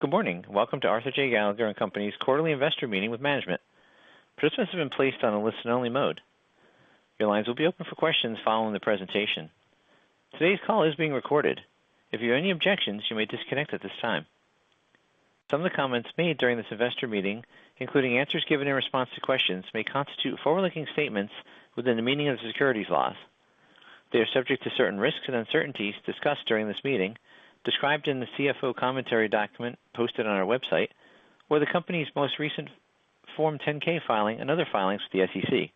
Good morning. Welcome to Arthur J. Gallagher & Co.'s quarterly investor meeting with management. Participants have been placed on a listen-only mode. Your lines will be open for questions following the presentation. Today's call is being recorded. If you have any objections, you may disconnect at this time. Some of the comments made during this investor meeting, including answers given in response to questions, may constitute forward-looking statements within the meaning of the securities laws. They are subject to certain risks and uncertainties discussed during this meeting, described in the CFO commentary document posted on our website, or the company's most recent Form 10-K filing and other filings with the SEC.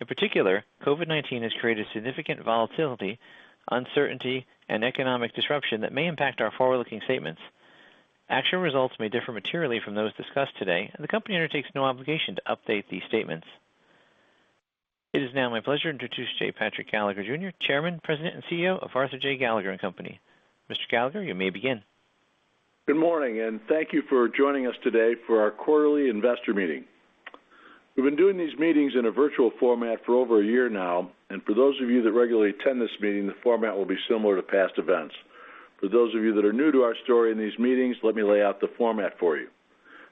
In particular, COVID-19 has created significant volatility, uncertainty, and economic disruption that may impact our forward-looking statements. Actual results may differ materially from those discussed today, and the company undertakes no obligation to update these statements. It is now my pleasure to introduce J. Patrick Gallagher Jr., Chairman, President, and CEO of Arthur J. Gallagher & Co. Mr. Gallagher, you may begin. Good morning, and thank you for joining us today for our quarterly investor meeting. We've been doing these meetings in a virtual format for over 1 year now, and for those of you that regularly attend this meeting, the format will be similar to past events. For those of you that are new to our story and these meetings, let me lay out the format for you.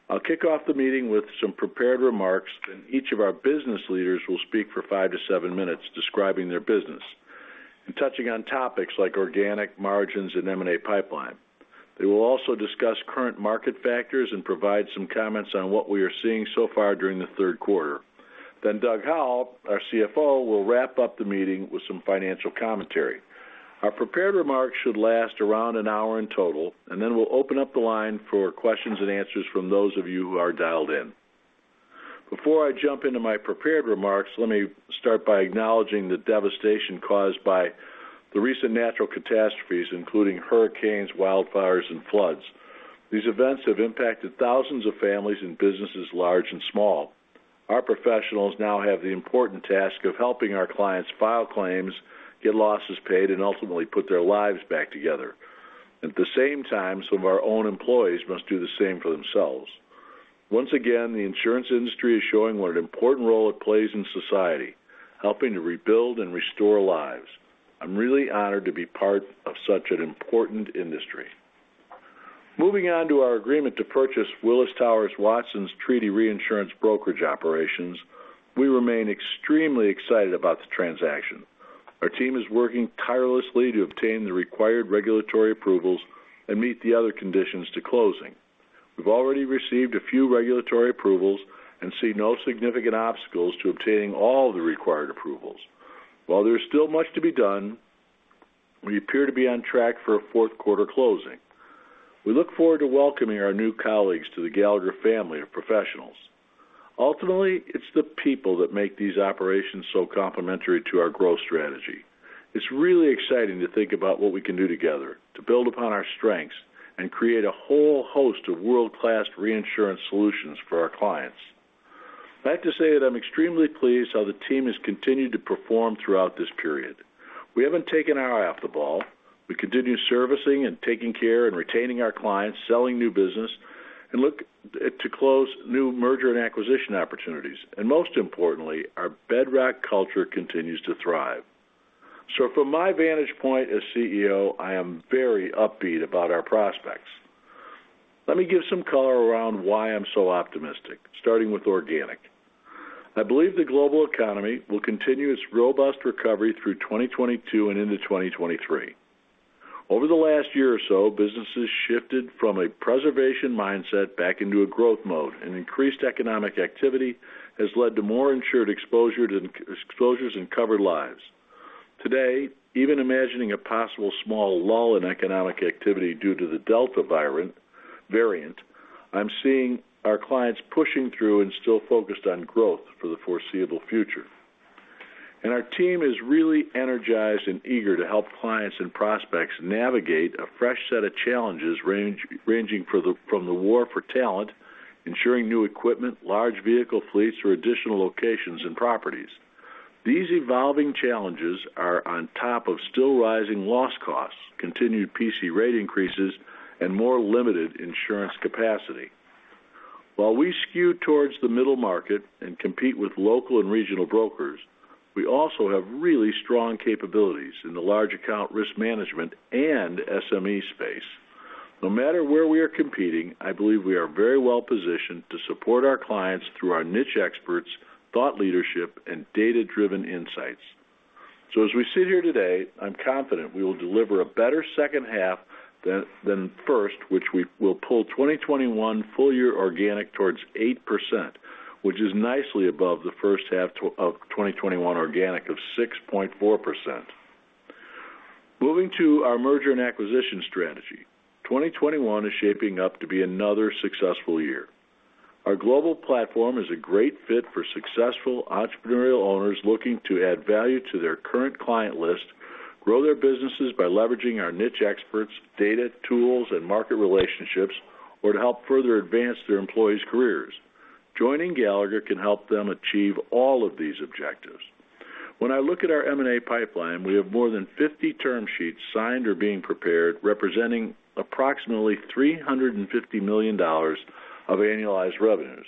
I'll kick off the meeting with some prepared remarks, then each of our business leaders will speak for 5-7 minutes describing their business and touching on topics like organic margins and M&A pipeline. They will also discuss current market factors and provide some comments on what we are seeing so far during the third quarter. Doug Howell, our CFO, will wrap up the meeting with some financial commentary. Our prepared remarks should last around an hour in total, then we'll open up the line for questions and answers from those of you who are dialed in. Before I jump into my prepared remarks, let me start by acknowledging the devastation caused by the recent natural catastrophes, including hurricanes, wildfires, and floods. These events have impacted thousands of families and businesses, large and small. Our professionals now have the important task of helping our clients file claims, get losses paid, and ultimately put their lives back together. At the same time, some of our own employees must do the same for themselves. Once again, the insurance industry is showing what an important role it plays in society, helping to rebuild and restore lives. I'm really honored to be part of such an important industry. Moving on to our agreement to purchase Willis Towers Watson's treaty reinsurance brokerage operations, we remain extremely excited about the transaction. Our team is working tirelessly to obtain the required regulatory approvals and meet the other conditions to closing. We've already received a few regulatory approvals and see no significant obstacles to obtaining all the required approvals. While there is still much to be done, we appear to be on track for a fourth-quarter closing. We look forward to welcoming our new colleagues to the Gallagher family of professionals. Ultimately, it's the people that make these operations so complementary to our growth strategy. It's really exciting to think about what we can do together to build upon our strengths and create a whole host of world-class reinsurance solutions for our clients. I have to say that I'm extremely pleased how the team has continued to perform throughout this period. We haven't taken our eye off the ball. We continue servicing and taking care and retaining our clients, selling new business, and look to close new merger and acquisition opportunities. Most importantly, our bedrock culture continues to thrive. From my vantage point as CEO, I am very upbeat about our prospects. Let me give some color around why I'm so optimistic, starting with organic. I believe the global economy will continue its robust recovery through 2022 and into 2023. Over the last year or so, businesses shifted from a preservation mindset back into a growth mode, and increased economic activity has led to more insured exposures and covered lives. Today, even imagining a possible small lull in economic activity due to the Delta variant, I'm seeing our clients pushing through and still focused on growth for the foreseeable future. Our team is really energized and eager to help clients and prospects navigate a fresh set of challenges ranging from the war for talent, ensuring new equipment, large vehicle fleets, or additional locations and properties. These evolving challenges are on top of still rising loss costs, continued PC rate increases, and more limited insurance capacity. While we skew towards the middle market and compete with local and regional brokers, we also have really strong capabilities in the large account risk management and SME space. No matter where we are competing, I believe we are very well-positioned to support our clients through our niche experts, thought leadership, and data-driven insights. As we sit here today, I'm confident we will deliver a better second half than first, which will pull 2021 full-year organic towards 8%, which is nicely above the first half of 2021 organic of 6.4%. Moving to our merger and acquisition strategy, 2021 is shaping up to be another successful year. Our global platform is a great fit for successful entrepreneurial owners looking to add value to their current client list, grow their businesses by leveraging our niche experts, data, tools, and market relationships, or to help further advance their employees' careers. Joining Gallagher can help them achieve all of these objectives. When I look at our M&A pipeline, we have more than 50 term sheets signed or being prepared, representing approximately $350 million of annualized revenues.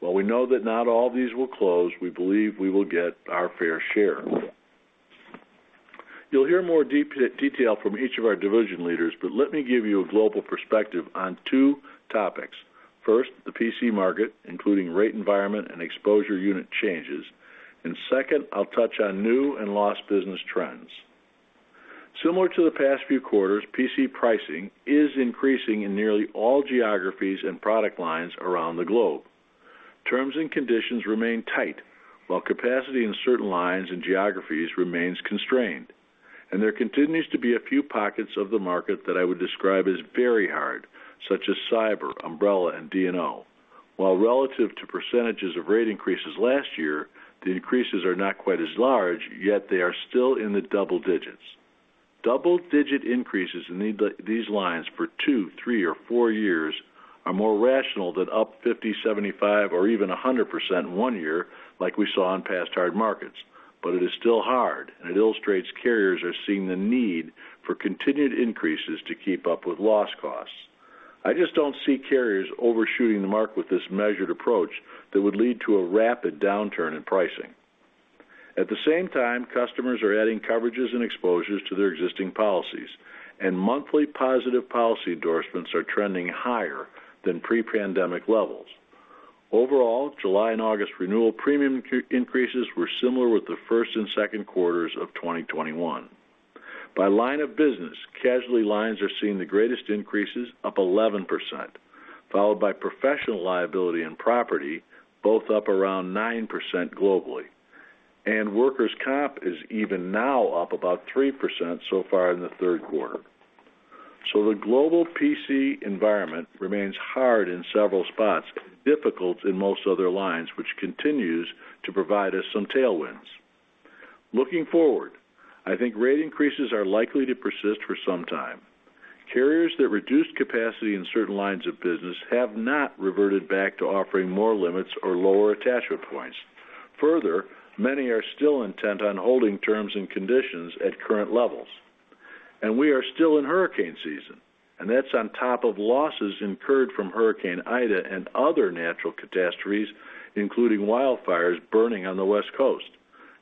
While we know that not all of these will close, we believe we will get our fair share. You'll hear more detail from each of our division leaders, but let me give you a global perspective on two topics. First, the P&C market, including rate environment and exposure unit changes. Second, I'll touch on new and lost business trends. Similar to the past few quarters, P&C pricing is increasing in nearly all geographies and product lines around the globe. Terms and conditions remain tight, while capacity in certain lines and geographies remains constrained. There continues to be a few pockets of the market that I would describe as very hard, such as cyber, umbrella, and D&O. Relative to percentages of rate increases last year, the increases are not quite as large, yet they are still in the double digits. Double-digit increases in these lines for 2, 3, or 4 years are more rational than up 50%, 75%, or even 100% in 1 year like we saw in past hard markets. It is still hard, and it illustrates carriers are seeing the need for continued increases to keep up with loss costs. I just don't see carriers overshooting the mark with this measured approach that would lead to a rapid downturn in pricing. At the same time, customers are adding coverages and exposures to their existing policies, and monthly positive policy endorsements are trending higher than pre-pandemic levels. Overall, July and August renewal premium increases were similar with the first and second quarters of 2021. By line of business, casualty lines are seeing the greatest increases up 11%, followed by professional liability and property both up around 9% globally. Workers' comp is even now up about 3% so far in the third quarter. The global P&C environment remains hard in several spots, difficult in most other lines, which continues to provide us some tailwinds. Looking forward, I think rate increases are likely to persist for some time. Carriers that reduced capacity in certain lines of business have not reverted back to offering more limits or lower attachment points. Further, many are still intent on holding terms and conditions at current levels. We are still in hurricane season, and that's on top of losses incurred from Hurricane Ida and other natural catastrophes, including wildfires burning on the West Coast.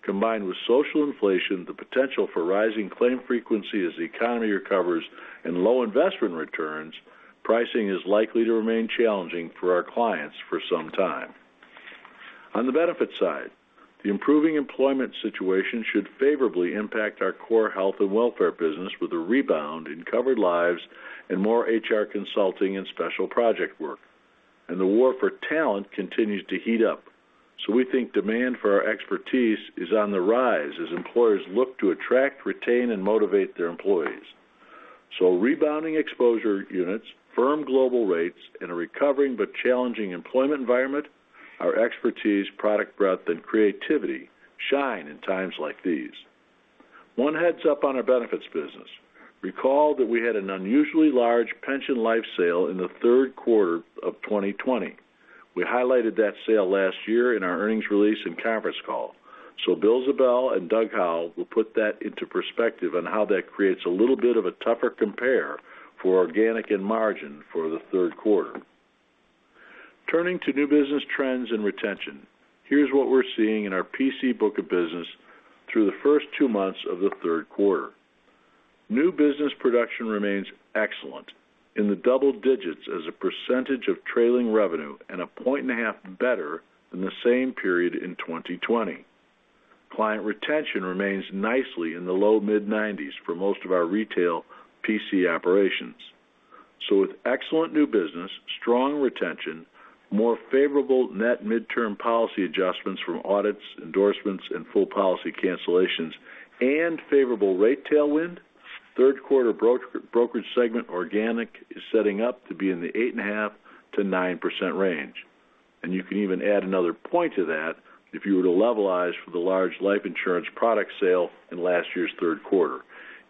Combined with social inflation, the potential for rising claim frequency as the economy recovers, and low investment returns, pricing is likely to remain challenging for our clients for some time. On the benefit side, the improving employment situation should favorably impact our core health and welfare business with a rebound in covered lives and more HR consulting and special project work. The war for talent continues to heat up, so we think demand for our expertise is on the rise as employers look to attract, retain, and motivate their employees. Rebounding exposure units, firm global rates, and a recovering but challenging employment environment, our expertise, product breadth, and creativity shine in times like these. 1 heads-up on our benefits business. Recall that we had an unusually large pension life sale in the third quarter of 2020. We highlighted that sale last year in our earnings release and conference call. William F. Ziebell and Douglas K. Howell will put that into perspective on how that creates a little bit of a tougher compare for organic and margin for the third quarter. Turning to new business trends and retention, here's what we're seeing in our PC book of business through the 1st 2 months of the third quarter. New business production remains excellent, in the double digits as a percentage of trailing revenue and a point and a half better than the same period in 2020. Client retention remains nicely in the low mid-90s for most of our retail PC operations. With excellent new business, strong retention, more favorable net midterm policy adjustments from audits, endorsements, and full policy cancellations, and favorable rate tailwind, third quarter brokerage segment organic is setting up to be in the 8.5%-9% range. You can even add another point to that if you were to levelize for the large life insurance product sale in last year's third quarter.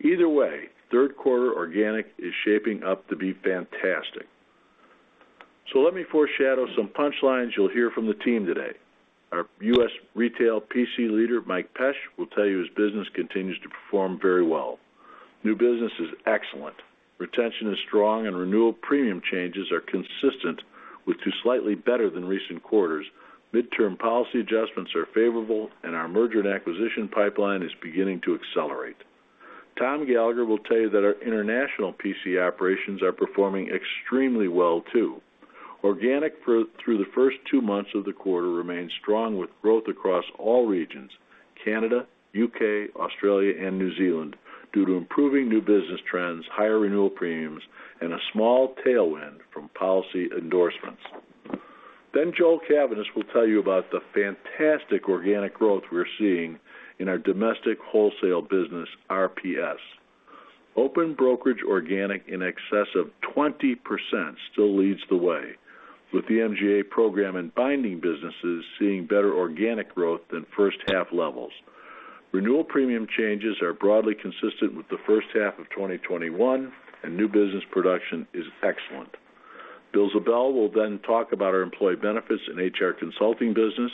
Either way, third quarter organic is shaping up to be fantastic. Let me foreshadow some punchlines you'll hear from the team today. Our U.S. Retail PC Leader, Michael Pesch, will tell you his business continues to perform very well. New business is excellent. Retention is strong, and renewal premium changes are consistent with to slightly better than recent quarters. Midterm policy adjustments are favorable, and our merger and acquisition pipeline is beginning to accelerate. Tom Gallagher will tell you that our international P&C operations are performing extremely well, too. Organic through the first 2 months of the quarter remains strong with growth across all regions, Canada, U.K., Australia, and New Zealand, due to improving new business trends, higher renewal premiums, and a small tailwind from policy endorsements. Joel D. Cavaness will tell you about the fantastic organic growth we're seeing in our domestic wholesale business, RPS. Open brokerage organic in excess of 20% still leads the way, with the MGA program and binding businesses seeing better organic growth than first half levels. Renewal premium changes are broadly consistent with the first half of 2021, and new business production is excellent. Bill Ziebell will talk about our employee benefits and HR consulting business.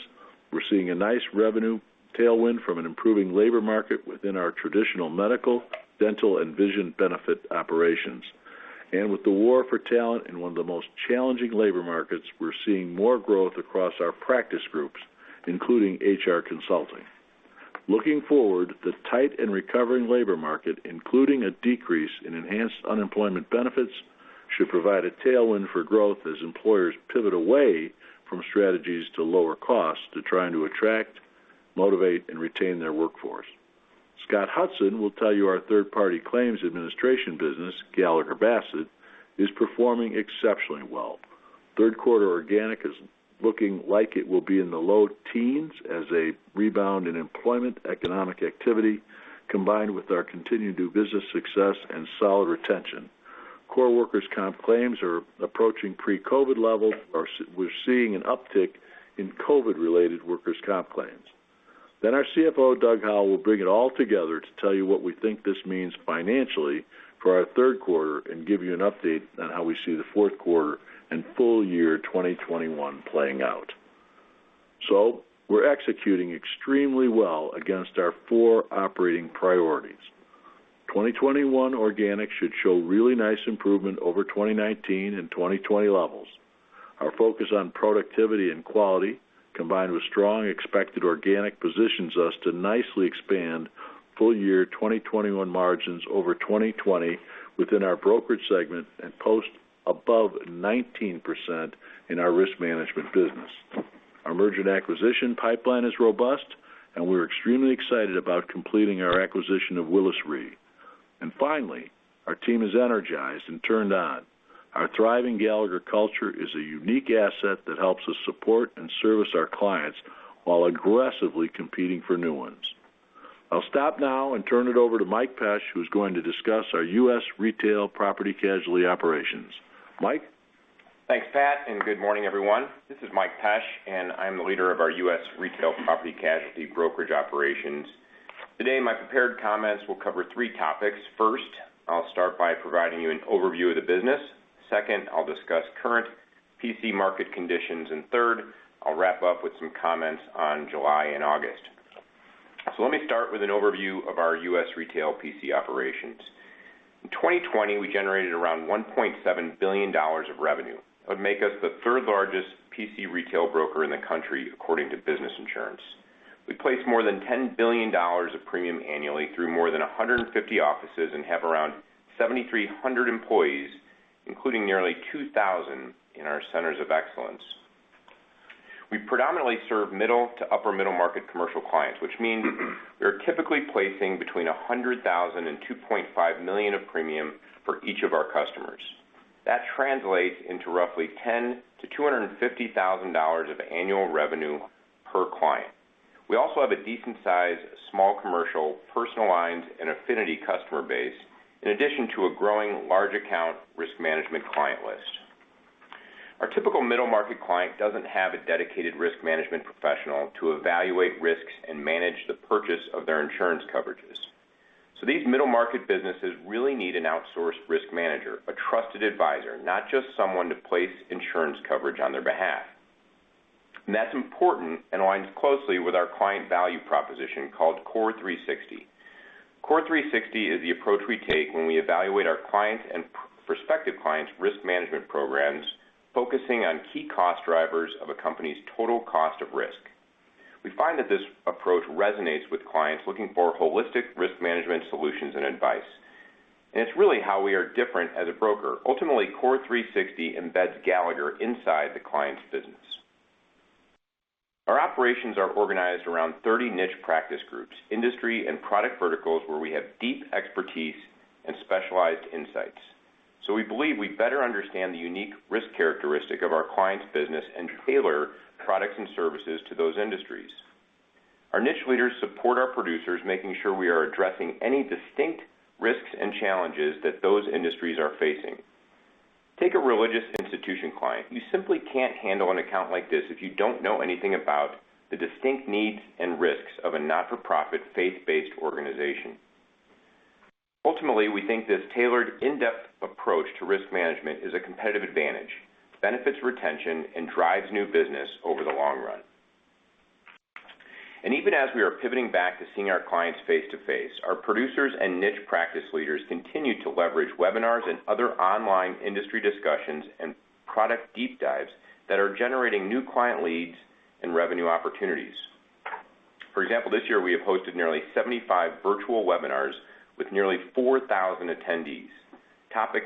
We're seeing a nice revenue tailwind from an improving labor market within our traditional medical, dental, and vision benefit operations. With the war for talent in one of the most challenging labor markets, we're seeing more growth across our practice groups, including HR consulting. Looking forward, the tight and recovering labor market, including a decrease in enhanced unemployment benefits, should provide a tailwind for growth as employers pivot away from strategies to lower costs to trying to attract, motivate, and retain their workforce. Scott Hudson will tell you our third-party claims administration business, Gallagher Bassett, is performing exceptionally well. Third quarter organic is looking like it will be in the low teens as a rebound in employment, economic activity, combined with our continued new business success and solid retention. Core workers' comp claims are approaching pre-COVID levels. We're seeing an uptick in COVID-related workers' comp claims. Our CFO, Doug Howell, will bring it all together to tell you what we think this means financially for our third quarter and give you an update on how we see the fourth quarter and full year 2021 playing out. We're executing extremely well against our four operating priorities. 2021 organic should show really nice improvement over 2019 and 2020 levels. Our focus on productivity and quality, combined with strong expected organic, positions us to nicely expand full year 2021 margins over 2020 within our brokerage segment and post above 19% in our risk management business. Our merger and acquisition pipeline is robust, and we're extremely excited about completing our acquisition of Willis Re. Finally, our team is energized and turned on. Our thriving Gallagher culture is a unique asset that helps us support and service our clients while aggressively competing for new ones. I'll stop now and turn it over to Michael Pesch, who's going to discuss our U.S. retail property casualty operations. Mike? Thanks, Pat, and good morning, everyone. This is Mike Pesch, and I'm the leader of our U.S. Retail P&C Brokerage Operations. Today, my prepared comments will cover three topics. First, I'll start by providing you an overview of the business. Second, I'll discuss current P&C market conditions. Third, I'll wrap up with some comments on July and August. Let me start with an overview of our U.S. retail P&C operations. In 2020, we generated around $1.7 billion of revenue. That would make us the third-largest P&C retail broker in the country, according to Business Insurance. We place more than $10 billion of premium annually through more than 150 offices and have around 7,300 employees, including nearly 2,000 in our centers of excellence. We predominantly serve middle to upper middle market commercial clients, which means we are typically placing between $100,000 and $2.5 million of premium for each of our customers. That translates into roughly $10-$250,000 of annual revenue per client. We also have a decent-sized small commercial, personal lines, and affinity customer base, in addition to a growing large account risk management client list. Our typical middle-market client doesn't have a dedicated risk management professional to evaluate risks and manage the purchase of their insurance coverages. These middle-market businesses really need an outsourced risk manager, a trusted advisor, not just someone to place insurance coverage on their behalf. That's important and aligns closely with our client value proposition, called CORE360. CORE360 is the approach we take when we evaluate our client and prospective clients' risk management programs, focusing on key cost drivers of a company's total cost of risk. We find that this approach resonates with clients looking for holistic risk management solutions and advice. It's really how we are different as a broker. Ultimately, CORE360 embeds Gallagher inside the client's business. Our operations are organized around 30 niche practice groups, industry, and product verticals where we have deep expertise and specialized insights. We believe we better understand the unique risk characteristic of our client's business and tailor products and services to those industries. Our niche leaders support our producers, making sure we are addressing any distinct risks and challenges that those industries are facing. Take a religious institution client. You simply can't handle an account like this if you don't know anything about the distinct needs and risks of a not-for-profit, faith-based organization. Ultimately, we think this tailored, in-depth approach to risk management is a competitive advantage, benefits retention, and drives new business over the long run. Even as we are pivoting back to seeing our clients face to face, our producers and niche practice leaders continue to leverage webinars and other online industry discussions and product deep dives that are generating new client leads and revenue opportunities. For example, this year, we have hosted nearly 75 virtual webinars with nearly 4,000 attendees. Topics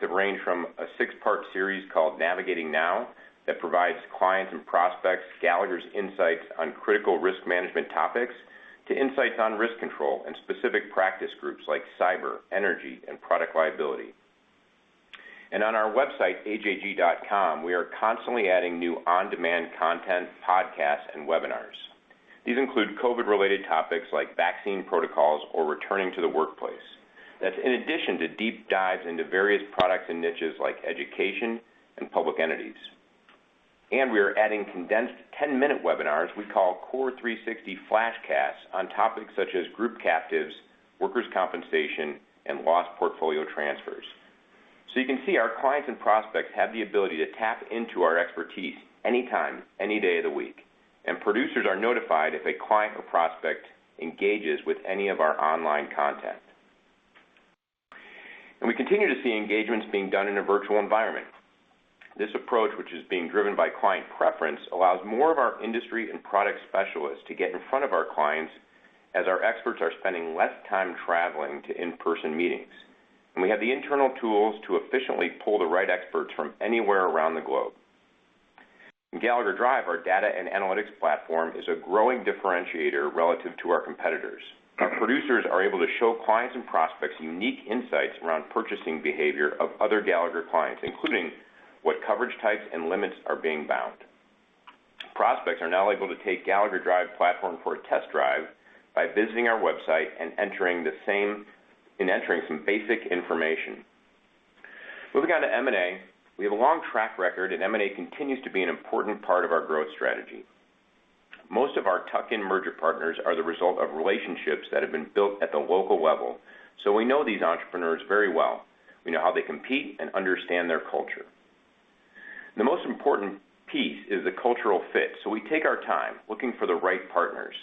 have ranged from a six-part series called Navigating Now that provides clients and prospects Gallagher's insights on critical risk management topics to insights on risk control and specific practice groups like cyber, energy, and product liability. On our website, ajg.com, we are constantly adding new on-demand content, podcasts, and webinars. These include COVID-related topics like vaccine protocols or returning to the workplace. That's in addition to deep dives into various products and niches like education and public entities. We are adding condensed 10-minute webinars we call Core 360 Flashcasts on topics such as group captives, workers' compensation, and loss portfolio transfers. You can see our clients and prospects have the ability to tap into our expertise anytime, any day of the week. Producers are notified if a client or prospect engages with any of our online content. We continue to see engagements being done in a virtual environment. This approach, which is being driven by client preference, allows more of our industry and product specialists to get in front of our clients as our experts are spending less time traveling to in-person meetings. We have the internal tools to efficiently pull the right experts from anywhere around the globe. In Gallagher Drive, our data and analytics platform is a growing differentiator relative to our competitors. Our producers are able to show clients and prospects unique insights around purchasing behavior of other Gallagher clients, including what coverage types and limits are being bound. Prospects are now able to take Gallagher Drive platform for a test drive by visiting our website and entering some basic information. Moving on to M&A, we have a long track record, and M&A continues to be an important part of our growth strategy. Most of our tuck-in merger partners are the result of relationships that have been built at the local level. We know these entrepreneurs very well. We know how they compete and understand their culture. The most important piece is the cultural fit. We take our time looking for the right partners.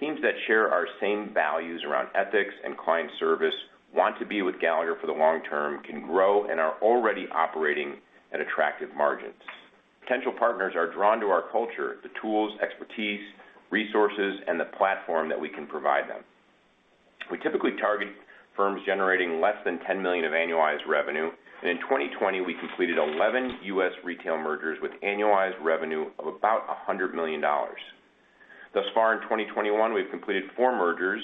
Teams that share our same values around ethics and client service want to be with Gallagher for the long term, can grow, and are already operating at attractive margins. Potential partners are drawn to our culture, the tools, expertise, resources, and the platform that we can provide them. We typically target firms generating less than $10 million of annualized revenue. In 2020, we completed 11 U.S. retail mergers with annualized revenue of about $100 million. Thus far in 2021, we've completed 4 mergers,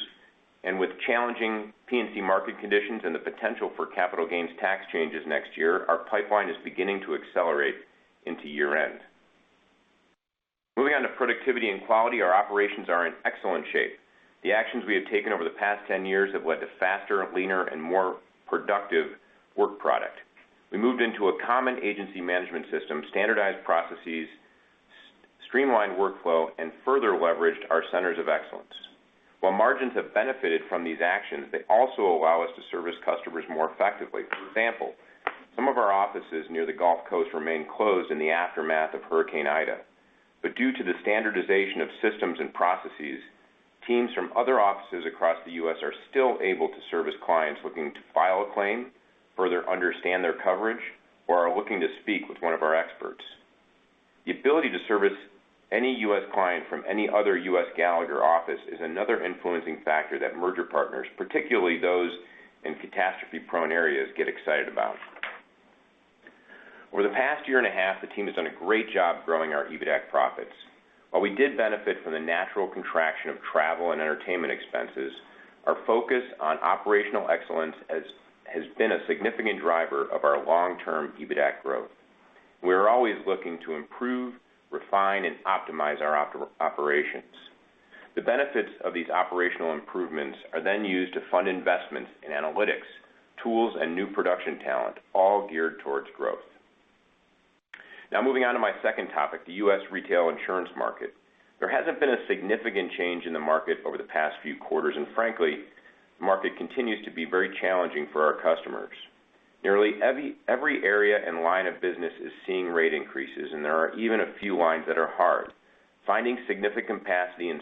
and with challenging P&C market conditions and the potential for capital gains tax changes next year, our pipeline is beginning to accelerate into year-end. Moving on to productivity and quality, our operations are in excellent shape. The actions we have taken over the past 10 years have led to faster, leaner, and more productive work product. We moved into a common agency management system, standardized processes, streamlined workflow, and further leveraged our centers of excellence. While margins have benefited from these actions, they also allow us to service customers more effectively. For example, some of our offices near the Gulf Coast remain closed in the aftermath of Hurricane Ida. Due to the standardization of systems and processes, teams from other offices across the U.S. are still able to service clients looking to file a claim, further understand their coverage, or are looking to speak with one of our experts. The ability to service any U.S. client from any other U.S. Gallagher office is another influencing factor that merger partners, particularly those in catastrophe-prone areas, get excited about. Over the past year and a half, the team has done a great job growing our EBITDAC profits. While we did benefit from the natural contraction of travel and entertainment expenses, our focus on operational excellence has been a significant driver of our long-term EBITDAC growth. We are always looking to improve, refine, and optimize our operations. The benefits of these operational improvements are then used to fund investments in analytics, tools, and new production talent, all geared towards growth. Moving on to my second topic, the U.S. retail insurance market. There hasn't been a significant change in the market over the past few quarters, and frankly, the market continues to be very challenging for our customers. Nearly every area and line of business is seeing rate increases, and there are even a few lines that are hard. Finding significant capacity in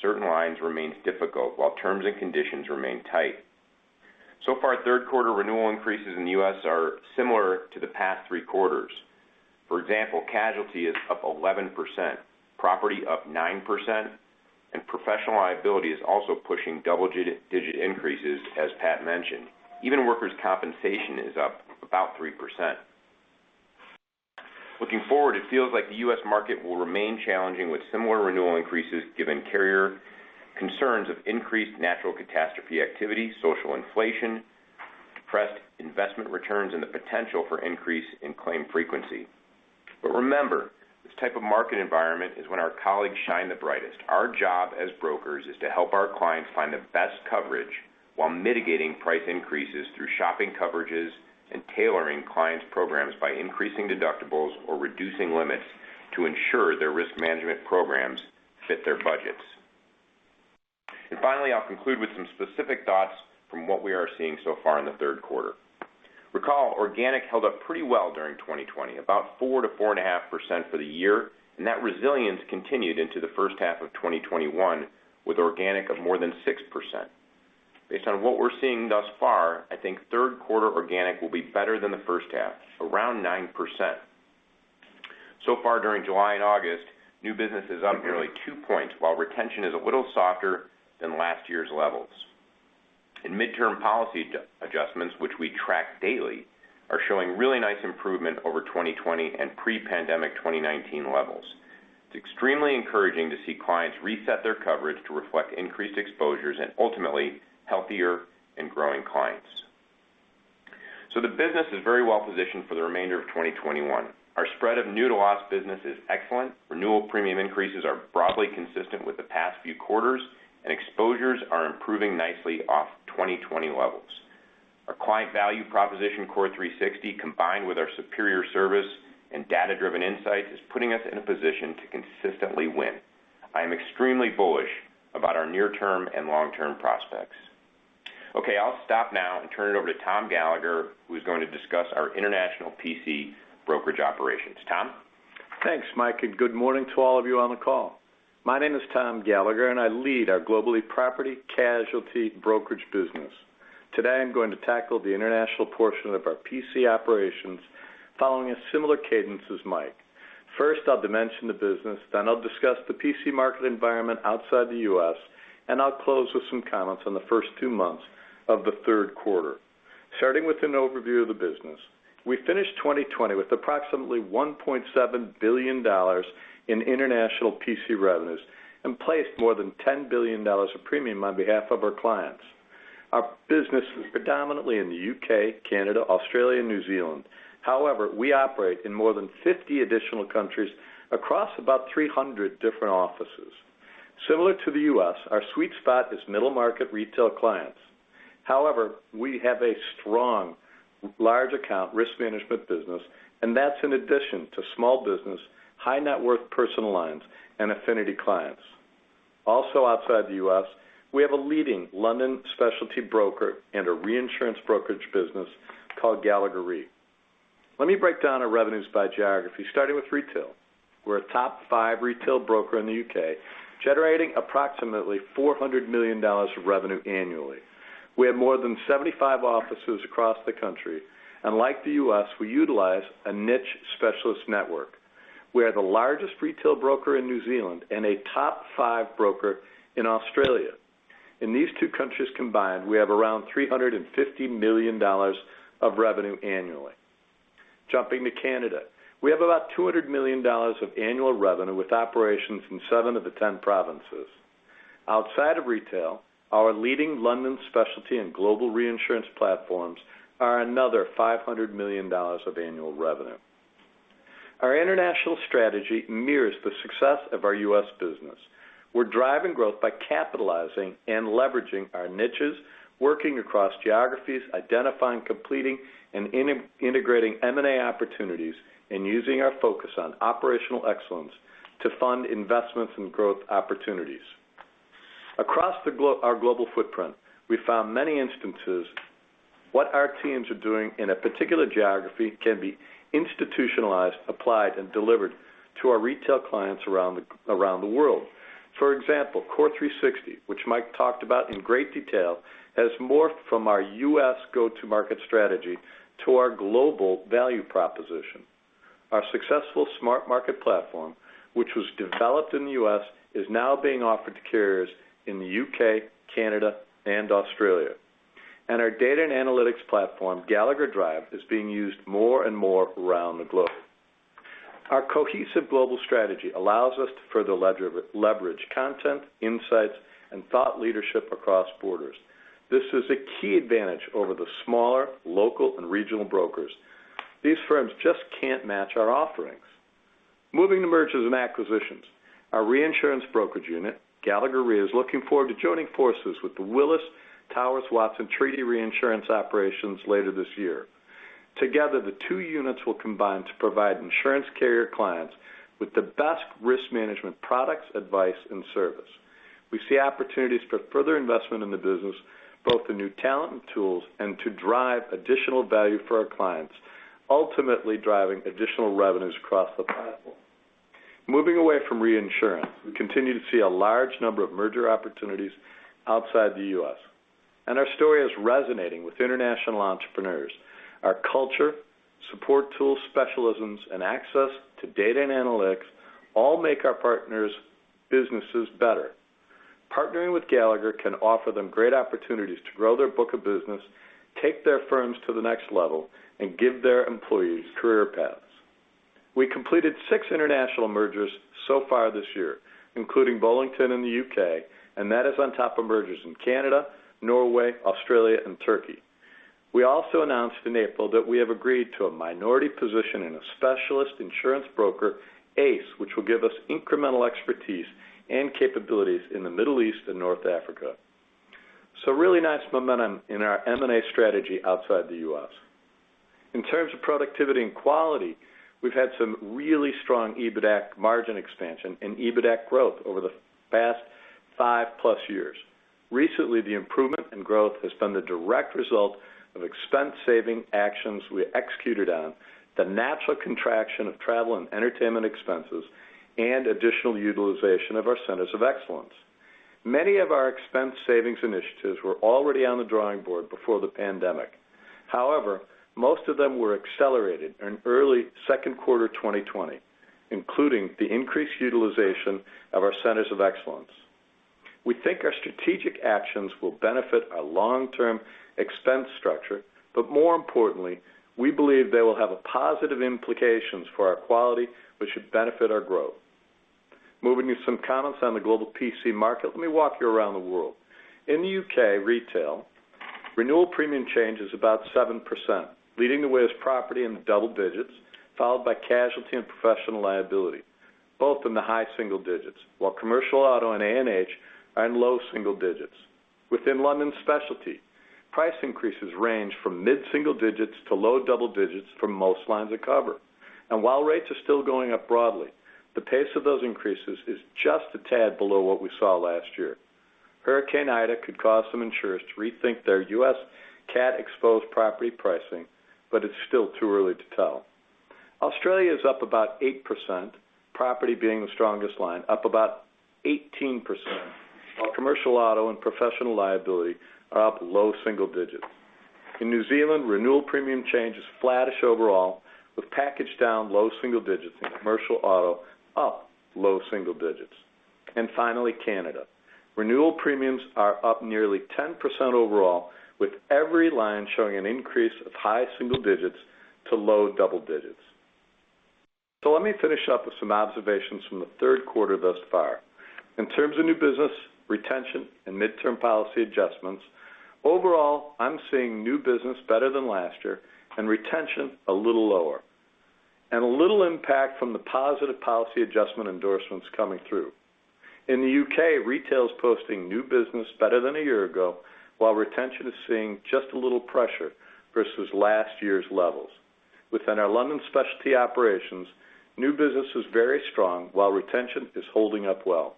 certain lines remains difficult, while terms and conditions remain tight. Third quarter renewal increases in the U.S. are similar to the past three quarters. Casualty is up 11%, property up 9%, and professional liability is also pushing double-digit increases, as Pat mentioned. Workers' compensation is up about 3%. Looking forward, it feels like the U.S. market will remain challenging with similar renewal increases given carrier concerns of increased natural catastrophe activity, social inflation, depressed investment returns, and the potential for increase in claim frequency. Remember, this type of market environment is when our colleagues shine the brightest. Our job as brokers is to help our clients find the best coverage while mitigating price increases through shopping coverages and tailoring clients' programs by increasing deductibles or reducing limits to ensure their risk management programs fit their budgets. Finally, I'll conclude with some specific thoughts from what we are seeing so far in the third quarter. Recall, organic held up pretty well during 2020, about 4% to 4.5% for the year, and that resilience continued into the first half of 2021 with organic of more than 6%. Based on what we're seeing thus far, I think 3rd quarter organic will be better than the first half, around 9%. Far during July and August, new business is up nearly 2 points, while retention is a little softer than last year's levels. Midterm policy adjustments, which we track daily, are showing really nice improvement over 2020 and pre-pandemic 2019 levels. It's extremely encouraging to see clients reset their coverage to reflect increased exposures and ultimately healthier and growing clients. The business is very well positioned for the remainder of 2021. Our spread of new to lost business is excellent. Renewal premium increases are broadly consistent with the past few quarters, exposures are improving nicely off 2020 levels. Our client value proposition, CORE360, combined with our superior service and data-driven insights, is putting us in a position to consistently win. I am extremely bullish about our near-term and long-term prospects. Okay, I'll stop now and turn it over to Tom Gallagher, who's going to discuss our international P&C brokerage operations. Tom? Thanks, Mike. Good morning to all of you on the call. My name is Tom Gallagher, and I lead our globally property casualty brokerage business. Today, I'm going to tackle the international portion of our P&C operations following a similar cadence as Mike. First, I'll dimension the business, then I'll discuss the P&C market environment outside the U.S. I'll close with some comments on the first two months of the third quarter. Starting with an overview of the business. We finished 2020 with approximately $1.7 billion in international P&C revenues and placed more than $10 billion of premium on behalf of our clients. Our business is predominantly in the U.K., Canada, Australia, and New Zealand. However, we operate in more than 50 additional countries across about 300 different offices. Similar to the U.S., our sweet spot is middle-market retail clients. However, we have a strong large account risk management business, and that's in addition to small business, high-net-worth personal lines, and affinity clients. Outside the U.S., we have a leading London specialty broker and a reinsurance brokerage business called Gallagher Re. Let me break down our revenues by geography, starting with retail. We're a top 5 retail broker in the U.K., generating approximately $400 million of revenue annually. We have more than 75 offices across the country. Like the U.S., we utilize a niche specialist network. We are the largest retail broker in New Zealand and a top 5 broker in Australia. In these 2 countries combined, we have around $350 million of revenue annually. Jumping to Canada. We have about $200 million of annual revenue, with operations in 7 of the 10 provinces. Outside of retail, our leading London specialty and global reinsurance platforms are another $500 million of annual revenue. Our international strategy mirrors the success of our U.S. business. We're driving growth by capitalizing and leveraging our niches, working across geographies, identifying, completing, and integrating M&A opportunities, and using our focus on operational excellence to fund investments and growth opportunities. Across our global footprint, we found many instances what our teams are doing in a particular geography can be institutionalized, applied, and delivered to our retail clients around the world. For example, CORE360, which Mike talked about in great detail, has morphed from our U.S. go-to-market strategy to our global value proposition. Our successful SmartMarket platform, which was developed in the U.S., is now being offered to carriers in the U.K., Canada, and Australia. Our data and analytics platform, Gallagher Drive, is being used more and more around the globe. Our cohesive global strategy allows us to further leverage content, insights, and thought leadership across borders. This is a key advantage over the smaller local and regional brokers. These firms just can't match our offerings. Moving to mergers and acquisitions. Our reinsurance brokerage unit, Gallagher Re, is looking forward to joining forces with the Willis Towers Watson treaty reinsurance operations later this year. Together, the two units will combine to provide insurance carrier clients with the best risk management products, advice, and service. We see opportunities for further investment in the business, both in new talent and tools, and to drive additional value for our clients, ultimately driving additional revenues across the platform. Moving away from reinsurance, we continue to see a large number of merger opportunities outside the U.S. Our story is resonating with international entrepreneurs. Our culture, support tools, specialisms, and access to data and analytics all make our partners' businesses better. Partnering with Gallagher can offer them great opportunities to grow their book of business, take their firms to the next level, and give their employees career paths. We completed 6 international mergers so far this year, including Bollington in the U.K. That is on top of mergers in Canada, Norway, Australia, and Turkey. We also announced in April that we have agreed to a minority position in a specialist insurance broker, ACE, which will give us incremental expertise and capabilities in the Middle East and North Africa. Really nice momentum in our M&A strategy outside the U.S. In terms of productivity and quality, we've had some really strong EBITAC margin expansion and EBITAC growth over the past 5-plus years. Recently, the improvement in growth has been the direct result of expense-saving actions we executed on, the natural contraction of travel and entertainment expenses, and additional utilization of our centers of excellence. Many of our expense savings initiatives were already on the drawing board before the pandemic. However, most of them were accelerated in early second quarter 2020, including the increased utilization of our centers of excellence. We think our strategic actions will benefit our long-term expense structure, but more importantly, we believe they will have positive implications for our quality, which should benefit our growth. Moving to some comments on the global P&C market, let me walk you around the world. In the U.K. retail, renewal premium change is about 7%. Leading the way is property in the double digits, followed by casualty and professional liability, both in the high single digits, while commercial auto and A&H are in low single digits. Within London specialty, price increases range from mid-single digits to low double digits for most lines of cover. While rates are still going up broadly. The pace of those increases is just a tad below what we saw last year. Hurricane Ida could cause some insurers to rethink their U.S. cat-exposed property pricing, but it's still too early to tell. Australia is up about 8%, property being the strongest line, up about 18%, while commercial auto and professional liability are up low single digits. In New Zealand, renewal premium change is flattish overall, with package down low single digits and commercial auto up low single digits. Finally, Canada. Renewal premiums are up nearly 10% overall, with every line showing an increase of high single digits to low double digits. Let me finish up with some observations from the third quarter thus far. In terms of new business, retention, and midterm policy adjustments, overall, I'm seeing new business better than last year and retention a little lower, and a little impact from the positive policy adjustment endorsements coming through. In the U.K., retail is posting new business better than a year ago, while retention is seeing just a little pressure versus last year's levels. Within our London specialty operations, new business was very strong while retention is holding up well.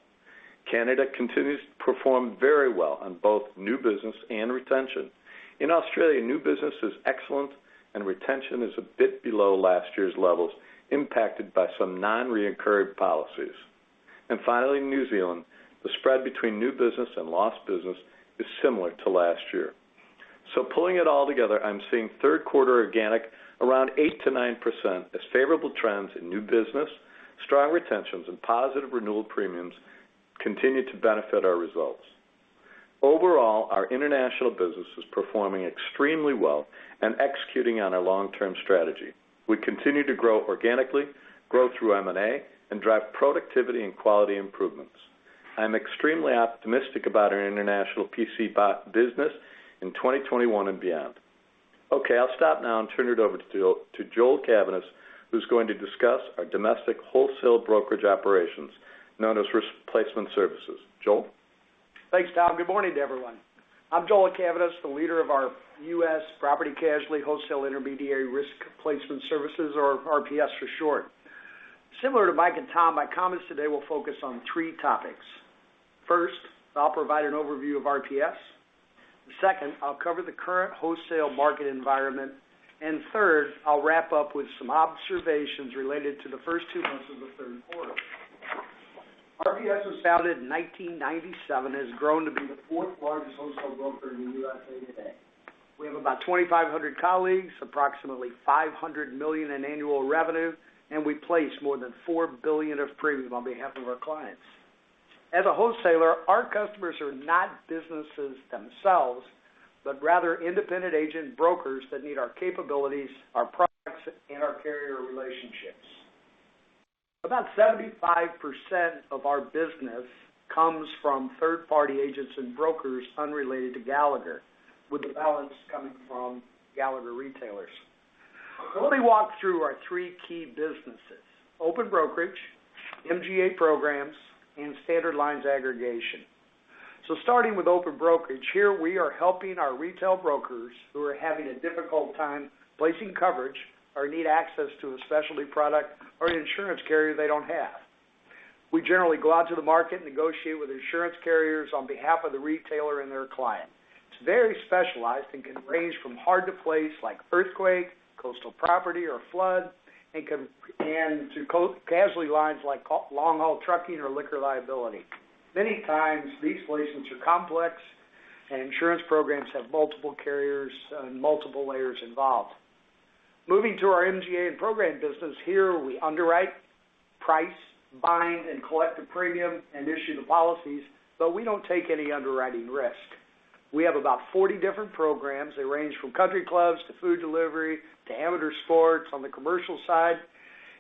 Canada continues to perform very well on both new business and retention. In Australia, new business is excellent and retention is a bit below last year's levels, impacted by some non-recurred policies. Finally, in New Zealand, the spread between new business and lost business is similar to last year. Pulling it all together, I'm seeing third quarter organic around 8%-9% as favorable trends in new business, strong retentions, and positive renewal premiums continue to benefit our results. Overall, our international business is performing extremely well and executing on our long-term strategy. We continue to grow organically, grow through M&A, and drive productivity and quality improvements. I'm extremely optimistic about our international PC business in 2021 and beyond. Okay, I'll stop now and turn it over to Joel D. Cavaness, who's going to discuss our domestic wholesale brokerage operations, known as Risk Placement Services. Joel? Thanks, Tom. Good morning to everyone. I'm Joel D. Cavaness, the leader of our U.S. Property-Casualty Wholesale Intermediary Risk Placement Services, or RPS for short. Similar to Mike and Tom, my comments today will focus on 3 topics. First, I'll provide an overview of RPS. Second, I'll cover the current wholesale market environment. Third, I'll wrap up with some observations related to the first 2 months of the third quarter. RPS was founded in 1997 and has grown to be the fourth largest wholesale broker in the U.S. today. We have about 2,500 colleagues, approximately $500 million in annual revenue, and we place more than $4 billion of premium on behalf of our clients. As a wholesaler, our customers are not businesses themselves, but rather independent agent brokers that need our capabilities, our products, and our carrier relationships. About 75% of our business comes from third-party agents and brokers unrelated to Gallagher, with the balance coming from Gallagher retailers. Let me walk through our 3 key businesses, open brokerage, MGA programs, and standard lines aggregation. Starting with open brokerage, here we are helping our retail brokers who are having a difficult time placing coverage or need access to a specialty product or an insurance carrier they don't have. We generally go out to the market, negotiate with insurance carriers on behalf of the retailer and their client. It's very specialized and can range from hard to place like earthquake, coastal property, or flood, and to casualty lines like long-haul trucking or liquor liability. Many times, these placements are complex and insurance programs have multiple carriers and multiple layers involved. Moving to our MGA and program business, here we underwrite, price, bind, and collect the premium, and issue the policies, but we don't take any underwriting risk. We have about 40 different programs. They range from country clubs to food delivery to amateur sports on the commercial side,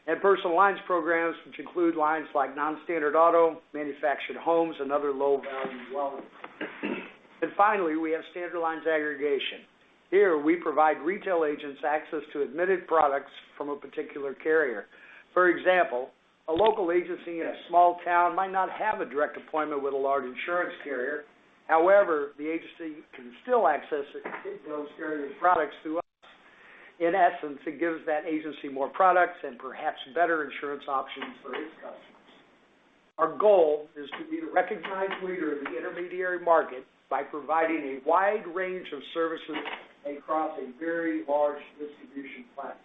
and personal lines programs, which include lines like non-standard auto, manufactured homes, and other low-value dwellings. Finally, we have standard lines aggregation. Here, we provide retail agents access to admitted products from a particular carrier. For example, a local agency in a small town might not have a direct appointment with a large insurance carrier. However, the agency can still access those carrier's products through us. In essence, it gives that agency more products and perhaps better insurance options for its customers. Our goal is to be the recognized leader in the intermediary market by providing a wide range of services across a very large distribution platform.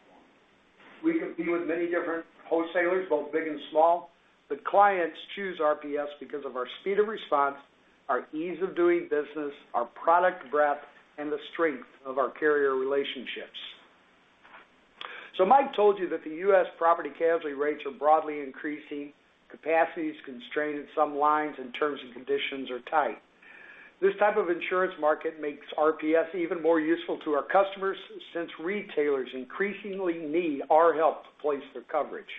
Clients choose RPS because of our speed of response, our ease of doing business, our product breadth, and the strength of our carrier relationships. Mike told you that the U.S. property-casualty rates are broadly increasing, capacity is constrained in some lines, and terms and conditions are tight. This type of insurance market makes RPS even more useful to our customers since retailers increasingly need our help to place their coverage.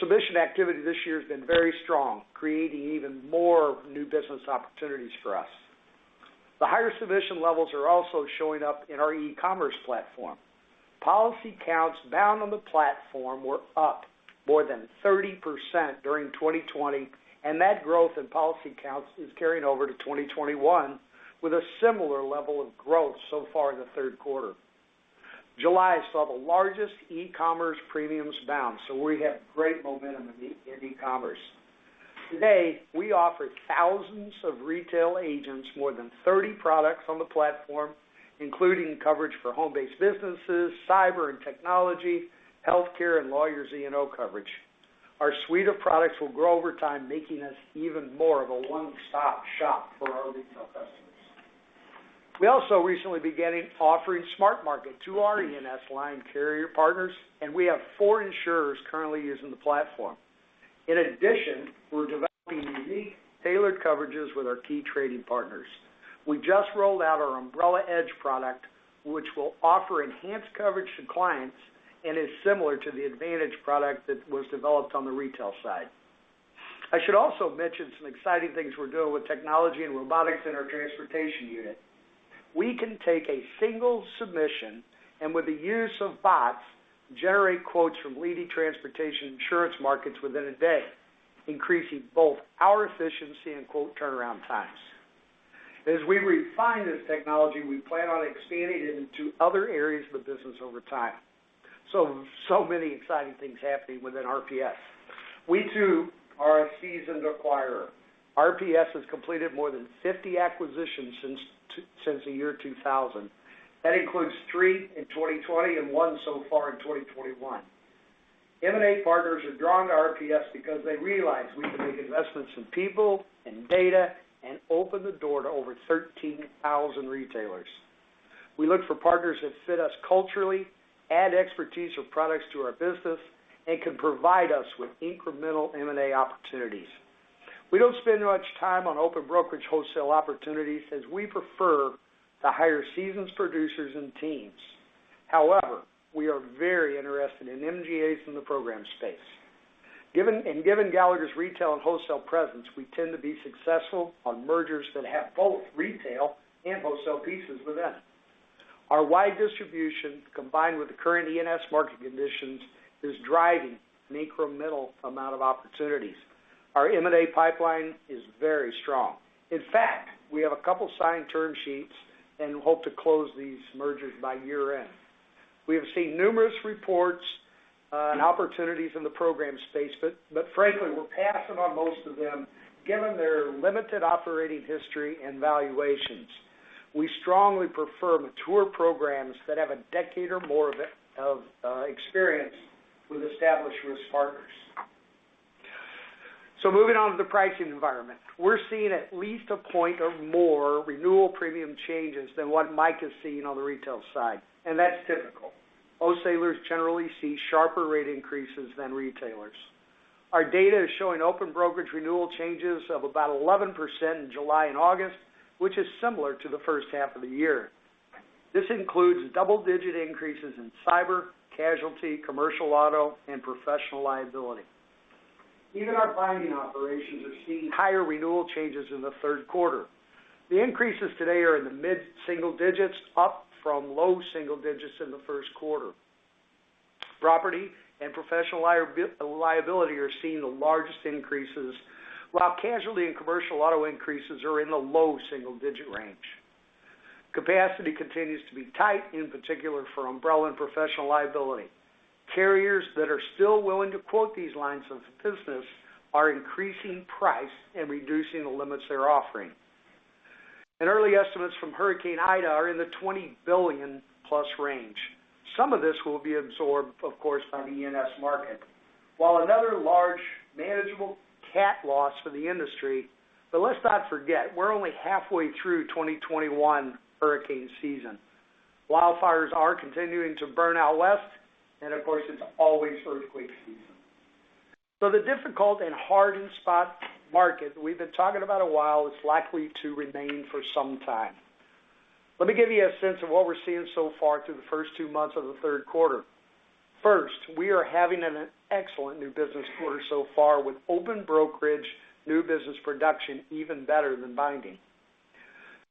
Submission activity this year has been very strong, creating even more new business opportunities for us. The higher submission levels are also showing up in our e-commerce platform. Policy counts bound on the platform were up more than 30% during 2020. That growth in policy counts is carrying over to 2021 with a similar level of growth so far in the third quarter. July saw the largest e-commerce premiums bound. We have great momentum in e-commerce. Today, we offer thousands of retail agents more than 30 products on the platform, including coverage for home-based businesses, cyber and technology, healthcare, and lawyers E&O coverage. Our suite of products will grow over time, making us even more of a one-stop shop for our retail customers. We also recently began offering SmartMarket to our E&S line carrier partners. We have four insurers currently using the platform. In addition, we're developing unique tailored coverages with our key trading partners. We just rolled out our Umbrella Edge product, which will offer enhanced coverage to clients and is similar to the advantage product that was developed on the retail side. I should also mention some exciting things we're doing with technology and robotics in our transportation unit. We can take a single submission, and with the use of bots, generate quotes from leading transportation insurance markets within a day, increasing both our efficiency and quote turnaround times. As we refine this technology, we plan on expanding it into other areas of the business over time. Many exciting things happening within RPS. We too are a seasoned acquirer. RPS has completed more than 50 acquisitions since the year 2000. That includes 3 in 2020 and 1 so far in 2021. M&A partners are drawn to RPS because they realize we can make investments in people, in data, and open the door to over 13,000 retailers. We look for partners that fit us culturally, add expertise or products to our business, and can provide us with incremental M&A opportunities. We don't spend much time on open brokerage wholesale opportunities, as we prefer to hire seasoned producers and teams. However, we are very interested in MGAs in the program space. Given Gallagher's retail and wholesale presence, we tend to be successful on mergers that have both retail and wholesale pieces within them. Our wide distribution, combined with the current E&S market conditions, is driving an incremental amount of opportunities. Our M&A pipeline is very strong. In fact, we have a couple signed term sheets and hope to close these mergers by year-end. Frankly, we're passing on most of them given their limited operating history and valuations. We strongly prefer mature programs that have a decade or more of experience with established risk partners. Moving on to the pricing environment. We're seeing at least a point of more renewal premium changes than what Mike is seeing on the retail side. That's typical. Wholesalers generally see sharper rate increases than retailers. Our data is showing open brokerage renewal changes of about 11% in July and August, which is similar to the first half of the year. This includes double-digit increases in cyber, casualty, commercial auto, and professional liability. Even our binding operations are seeing higher renewal changes in the third quarter. The increases today are in the mid-single digits, up from low single digits in the first quarter. Property and professional liability are seeing the largest increases, while casualty and commercial auto increases are in the low single-digit range. Capacity continues to be tight, in particular for umbrella and professional liability. Carriers that are still willing to quote these lines of business are increasing price and reducing the limits they're offering. Early estimates from Hurricane Ida are in the $20 billion-plus range. Some of this will be absorbed, of course, by the E&S market. Another large manageable cat loss for the industry. Let's not forget, we're only halfway through 2021 hurricane season. Wildfires are continuing to burn out West, of course, it's always earthquake season. The difficult and hardened spot market we've been talking about a while is likely to remain for some time. Let me give you a sense of what we're seeing so far through the first two months of the third quarter. First, we are having an excellent new business quarter so far with open brokerage new business production even better than binding.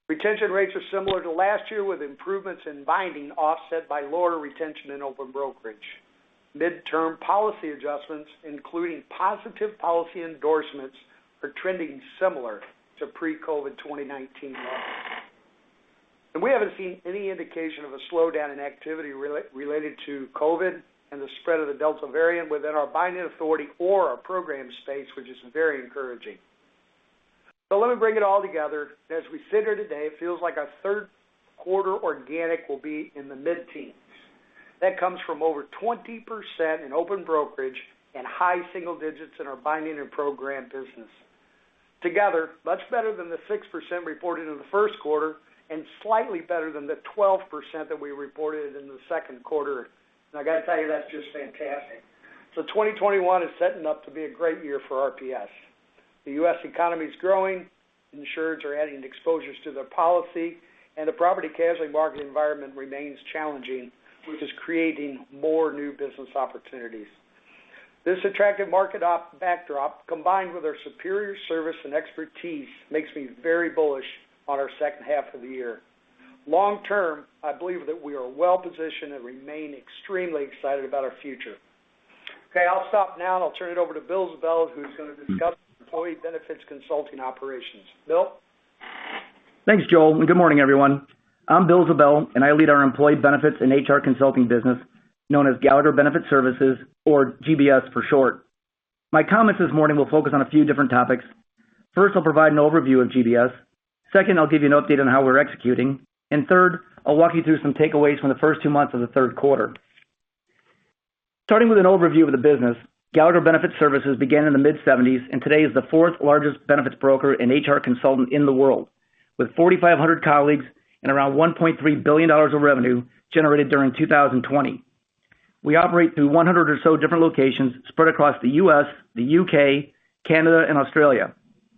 Retention rates are similar to last year with improvements in binding offset by lower retention in open brokerage. Mid-term policy adjustments, including positive policy endorsements, are trending similar to pre-COVID 2019 levels. We haven't seen any indication of a slowdown in activity related to COVID and the spread of the Delta variant within our binding authority or our program space, which is very encouraging. Let me bring it all together. As we sit here today, it feels like our third quarter organic will be in the mid-teens. That comes from over 20% in open brokerage and high single digits in our binding and program business. Together, much better than the 6% reported in the first quarter and slightly better than the 12% that we reported in the second quarter. I got to tell you, that's just fantastic. 2021 is setting up to be a great year for RPS. The U.S. economy is growing, insurers are adding exposures to their policy, and the property casualty market environment remains challenging, which is creating more new business opportunities. This attractive market backdrop, combined with our superior service and expertise, makes me very bullish on our second half of the year. Long-term, I believe that we are well-positioned and remain extremely excited about our future. I'll stop now, and I'll turn it over to Bill Ziebell, who's going to discuss Employee Benefits Consulting operations. Bill? Thanks, Joel. Good morning, everyone. I'm Bill Ziebell, and I lead our employee benefits and HR consulting business, known as Gallagher Benefit Services, or GBS for short. My comments this morning will focus on a few different topics. First, I'll provide an overview of GBS. Second, I'll give you an update on how we're executing. Third, I'll walk you through some takeaways from the first two months of the third quarter. Starting with an overview of the business, Gallagher Benefit Services began in the mid-1970s and today is the fourth largest benefits broker and HR consultant in the world, with 4,500 colleagues and around $1.3 billion of revenue generated during 2020. We operate through 100 or so different locations spread across the U.S., the U.K., Canada, and Australia.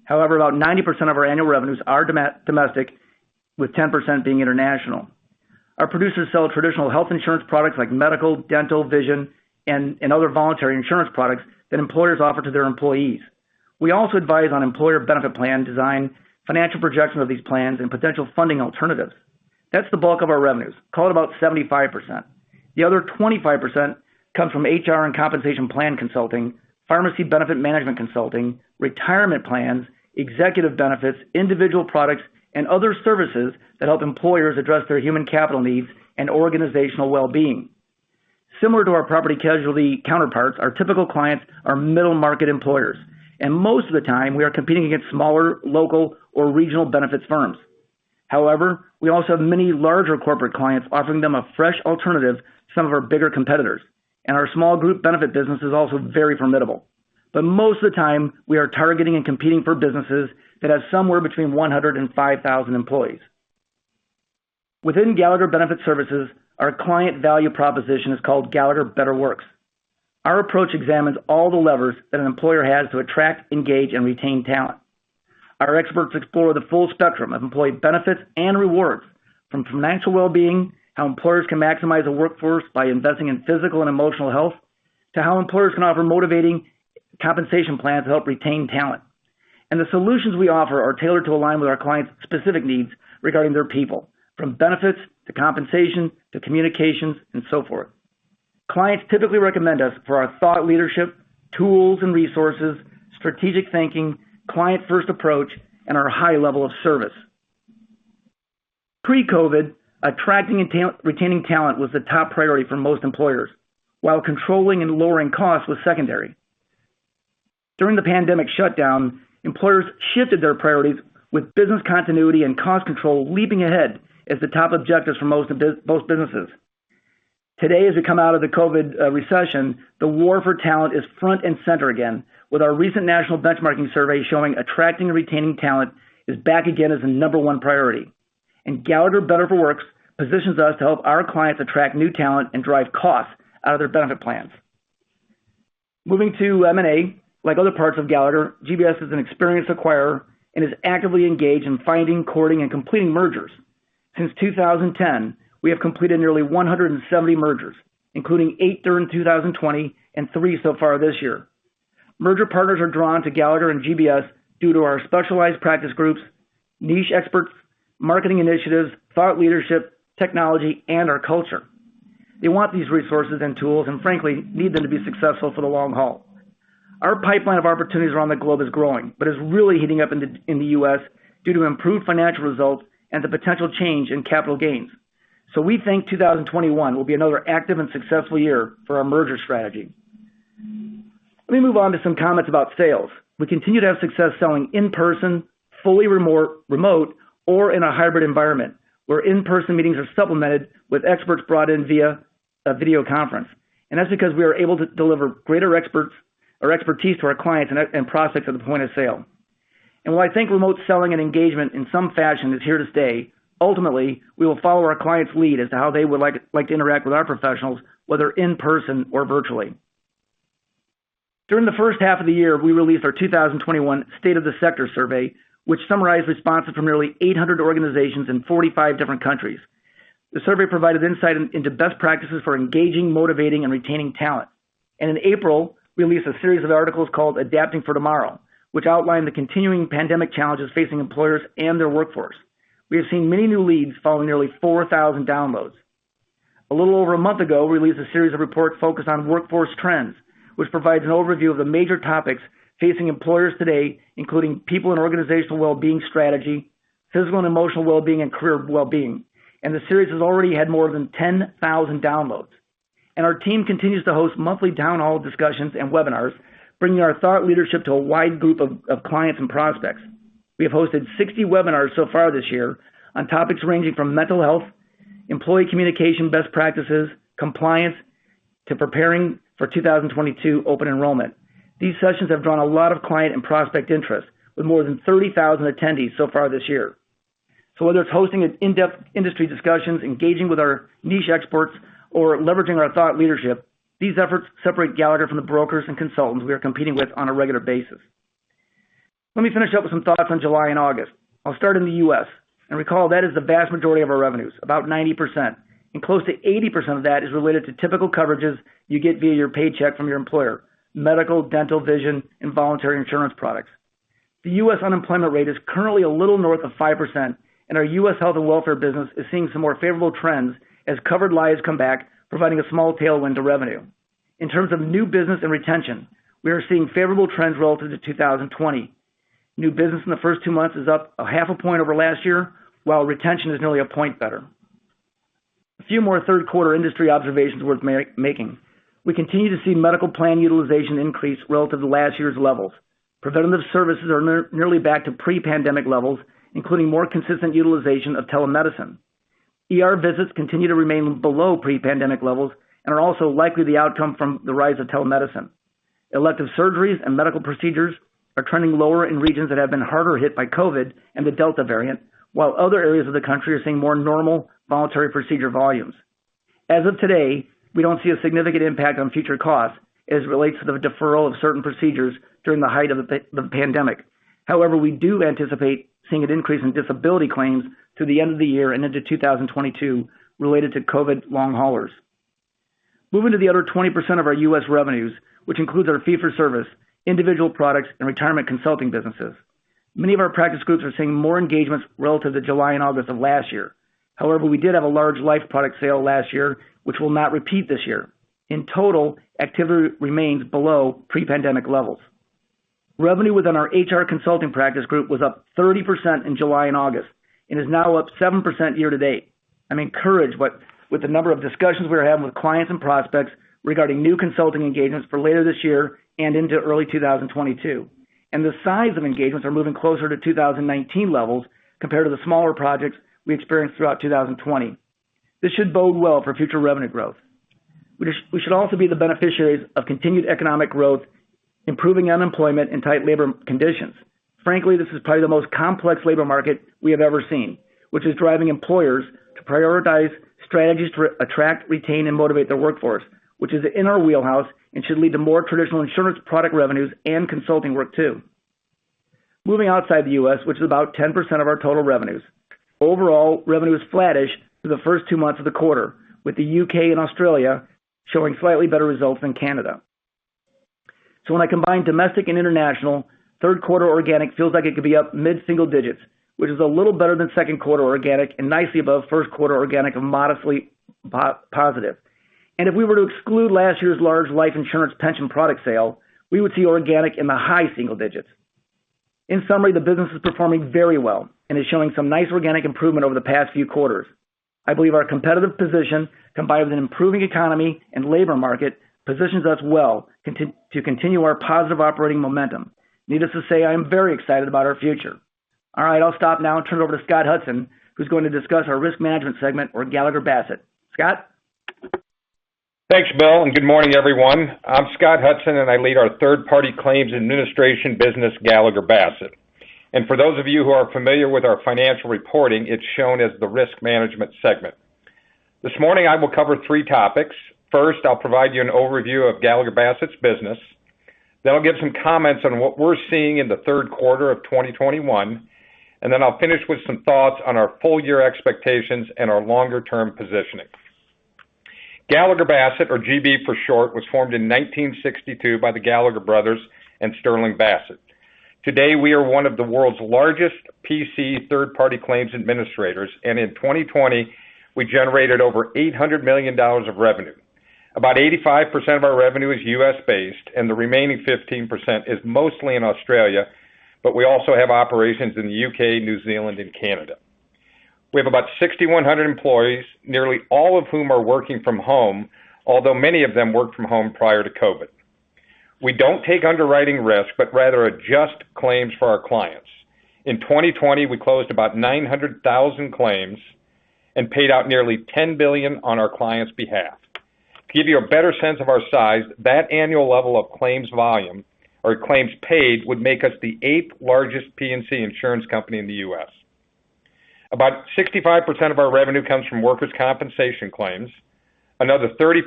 However, about 90% of our annual revenues are domestic, with 10% being international. Our producers sell traditional health insurance products like medical, dental, vision, and other voluntary insurance products that employers offer to their employees. We also advise on employer benefit plan design, financial projection of these plans, and potential funding alternatives. That's the bulk of our revenues, call it about 75%. The other 25% comes from HR and compensation plan consulting, pharmacy benefit management consulting, retirement plans, executive benefits, individual products, and other services that help employers address their human capital needs and organizational well-being. Similar to our property casualty counterparts, our typical clients are middle-market employers, and most of the time, we are competing against smaller, local, or regional benefits firms. However, we also have many larger corporate clients offering them a fresh alternative to some of our bigger competitors, and our small group benefit business is also very formidable. Most of the time, we are targeting and competing for businesses that have somewhere between 100 and 5,000 employees. Within Gallagher Benefit Services, our client value proposition is called Gallagher Better Works. Our approach examines all the levers that an employer has to attract, engage, and retain talent. Our experts explore the full spectrum of employee benefits and rewards from financial well-being, how employers can maximize the workforce by investing in physical and emotional health, to how employers can offer motivating compensation plans to help retain talent. The solutions we offer are tailored to align with our clients' specific needs regarding their people, from benefits to compensation, to communications and so forth. Clients typically recommend us for our thought leadership, tools and resources, strategic thinking, client-first approach, and our high level of service. Pre-COVID, attracting and retaining talent was the top priority for most employers, while controlling and lowering costs was secondary. During the pandemic shutdown, employers shifted their priorities with business continuity and cost control leaping ahead as the top objectives for most businesses. Today, as we come out of the COVID recession, the war for talent is front and center again with our recent national benchmarking survey showing attracting and retaining talent is back again as the number one priority. Gallagher Better Works positions us to help our clients attract new talent and drive costs out of their benefit plans. Moving to M&A, like other parts of Gallagher, GBS is an experienced acquirer and is actively engaged in finding, courting, and completing mergers. Since 2010, we have completed nearly 170 mergers, including 8 during 2020 and 3 so far this year. Merger partners are drawn to Gallagher and GBS due to our specialized practice groups, niche experts, marketing initiatives, thought leadership, technology, and our culture. They want these resources and tools and frankly, need them to be successful for the long haul. Our pipeline of opportunities around the globe is growing, but is really heating up in the U.S. due to improved financial results and the potential change in capital gains. We think 2021 will be another active and successful year for our merger strategy. Let me move on to some comments about sales. We continue to have success selling in-person, fully remote, or in a hybrid environment where in-person meetings are supplemented with experts brought in via a video conference. That's because we are able to deliver greater experts or expertise to our clients and prospects at the point of sale. While I think remote selling and engagement in some fashion is here to stay, ultimately, we will follow our client's lead as to how they would like to interact with our professionals, whether in person or virtually. During the first half of the year, we released our 2021 State of the Sector survey, which summarized responses from nearly 800 organizations in 45 different countries. The survey provided insight into best practices for engaging, motivating, and retaining talent. In April, we released a series of articles called Adapting for Tomorrow, which outlined the continuing pandemic challenges facing employers and their workforce. We have seen many new leads following nearly 4,000 downloads. A little over a month ago, we released a series of reports focused on workforce trends, which provides an overview of the major topics facing employers today, including people and organizational well-being strategy, physical and emotional well-being, and career well-being. The series has already had more than 10,000 downloads. Our team continues to host monthly town hall discussions and webinars, bringing our thought leadership to a wide group of clients and prospects. We have hosted 60 webinars so far this year on topics ranging from mental health, employee communication best practices, compliance, to preparing for 2022 open enrollment. These sessions have drawn a lot of client and prospect interest with more than 30,000 attendees so far this year. Whether it's hosting an in-depth industry discussions, engaging with our niche experts, or leveraging our thought leadership, these efforts separate Gallagher from the brokers and consultants we are competing with on a regular basis. Let me finish up with some thoughts on July and August. I'll start in the U.S., and recall, that is the vast majority of our revenues, about 90%, and close to 80% of that is related to typical coverages you get via your paycheck from your employer: medical, dental, vision, and voluntary insurance products. The U.S. unemployment rate is currently a little north of 5% and our U.S. health and welfare business is seeing some more favorable trends as covered lives come back, providing a small tailwind to revenue. In terms of new business and retention, we are seeing favorable trends relative to 2020. New business in the first 2 months is up 0.5 point over last year, while retention is nearly 1 point better. A few more third quarter industry observations worth making. We continue to see medical plan utilization increase relative to last year's levels. Preventative services are nearly back to pre-pandemic levels, including more consistent utilization of telemedicine. ER visits continue to remain below pre-pandemic levels and are also likely the outcome from the rise of telemedicine. Elective surgeries and medical procedures are trending lower in regions that have been harder hit by COVID-19 and the Delta variant, while other areas of the country are seeing more normal voluntary procedure volumes. As of today, we don't see a significant impact on future costs as it relates to the deferral of certain procedures during the height of the pandemic. However, we do anticipate seeing an increase in disability claims through the end of the year and into 2022 related to COVID long haulers. Moving to the other 20% of our U.S. revenues, which includes our fee for service, individual products, and retirement consulting businesses. Many of our practice groups are seeing more engagements relative to July and August of last year. However, we did have a large life product sale last year, which will not repeat this year. In total, activity remains below pre-pandemic levels. Revenue within our HR consulting practice group was up 30% in July and August and is now up 7% year-to-date. I'm encouraged with the number of discussions we are having with clients and prospects regarding new consulting engagements for later this year and into early 2022. The size of engagements are moving closer to 2019 levels compared to the smaller projects we experienced throughout 2020. This should bode well for future revenue growth. We should also be the beneficiaries of continued economic growth, improving unemployment, and tight labor conditions. Frankly, this is probably the most complex labor market we have ever seen, which is driving employers to prioritize strategies to attract, retain, and motivate their workforce, which is in our wheelhouse and should lead to more traditional insurance product revenues and consulting work too. Moving outside the U.S., which is about 10% of our total revenues. Overall, revenue is flattish through the first two months of the quarter, with the U.K. and Australia showing slightly better results than Canada. When I combine domestic and international, third quarter organic feels like it could be up mid-single digits, which is a little better than second quarter organic and nicely above first quarter organic, and modestly positive. If we were to exclude last year's large life insurance pension product sale, we would see organic in the high single digits. In summary, the business is performing very well and is showing some nice organic improvement over the past few quarters. I believe our competitive position, combined with an improving economy and labor market, positions us well to continue our positive operating momentum. Needless to say, I am very excited about our future. All right, I'll stop now and turn it over to Scott Hudson, who's going to discuss our risk management segment or Gallagher Bassett. Scott? Thanks, Bill, and good morning, everyone. I'm Scott Hudson, and I lead our third-party claims administration business, Gallagher Bassett. For those of you who are familiar with our financial reporting, it's shown as the Risk Management segment. This morning, I will cover three topics. First, I'll provide you an overview of Gallagher Bassett's business. I'll give some comments on what we're seeing in the third quarter of 2021, and then I'll finish with some thoughts on our full year expectations and our longer-term positioning. Gallagher Bassett, or GB for short, was formed in 1962 by the Gallagher brothers and Sterling Bassett. Today, we are one of the world's largest P&C third-party claims administrators, and in 2020, we generated over $800 million of revenue. About 85% of our revenue is U.S.-based, and the remaining 15% is mostly in Australia, but we also have operations in the U.K., New Zealand, and Canada. We have about 6,100 employees, nearly all of whom are working from home, although many of them worked from home prior to COVID-19. We don't take underwriting risk, but rather adjust claims for our clients. In 2020, we closed about 900,000 claims and paid out nearly $10 billion on our clients' behalf. To give you a better sense of our size, that annual level of claims volume or claims paid would make us the eighth-largest P&C insurance company in the U.S. About 65% of our revenue comes from workers' compensation claims, another 30%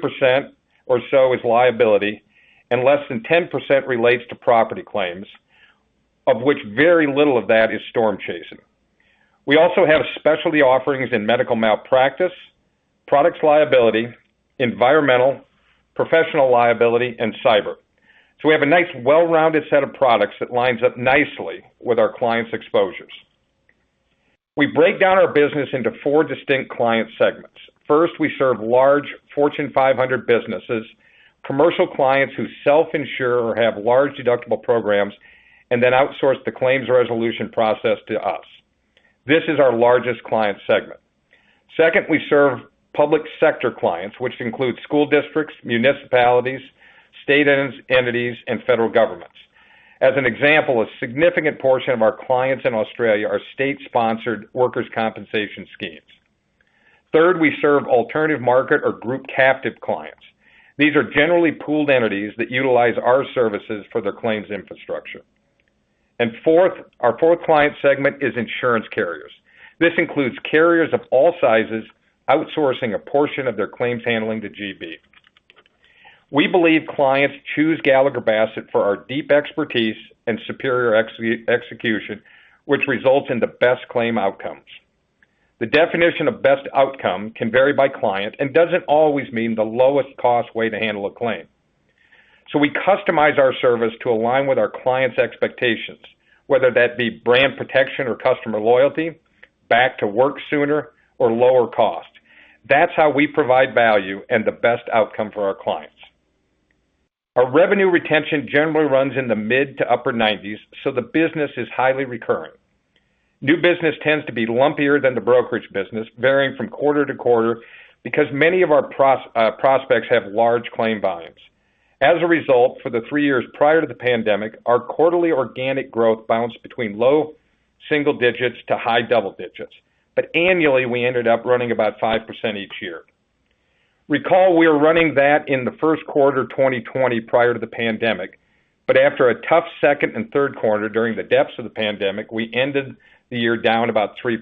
or so is liability, and less than 10% relates to property claims, of which very little of that is storm chasing. We also have specialty offerings in medical malpractice, products liability, environmental, professional liability, and cyber. We have a nice well-rounded set of products that lines up nicely with our clients' exposures. We break down our business into 4 distinct client segments. First, we serve large Fortune 500 businesses, commercial clients who self-insure or have large deductible programs, and then outsource the claims resolution process to us. This is our largest client segment. Second, we serve public sector clients, which includes school districts, municipalities, state entities, and federal governments. As an example, a significant portion of our clients in Australia are state-sponsored workers' compensation schemes. Third, we serve alternative market or group captive clients. These are generally pooled entities that utilize our services for their claims infrastructure. Our 4th client segment is insurance carriers. This includes carriers of all sizes outsourcing a portion of their claims handling to GB. We believe clients choose Gallagher Bassett for our deep expertise and superior execution, which results in the best claim outcomes. The definition of best outcome can vary by client and doesn't always mean the lowest cost way to handle a claim. We customize our service to align with our clients' expectations, whether that be brand protection or customer loyalty, back to work sooner, or lower cost. That's how we provide value and the best outcome for our clients. Our revenue retention generally runs in the mid to upper 90s, the business is highly recurrent. New business tends to be lumpier than the brokerage business, varying from quarter to quarter because many of our prospects have large claim volumes. As a result, for the 3 years prior to the pandemic, our quarterly organic growth bounced between low single digits to high double digits. Annually, we ended up running about 5% each year. Recall we were running that in the first quarter 2020 prior to the pandemic, but after a tough second and third quarter during the depths of the pandemic, we ended the year down about 3%.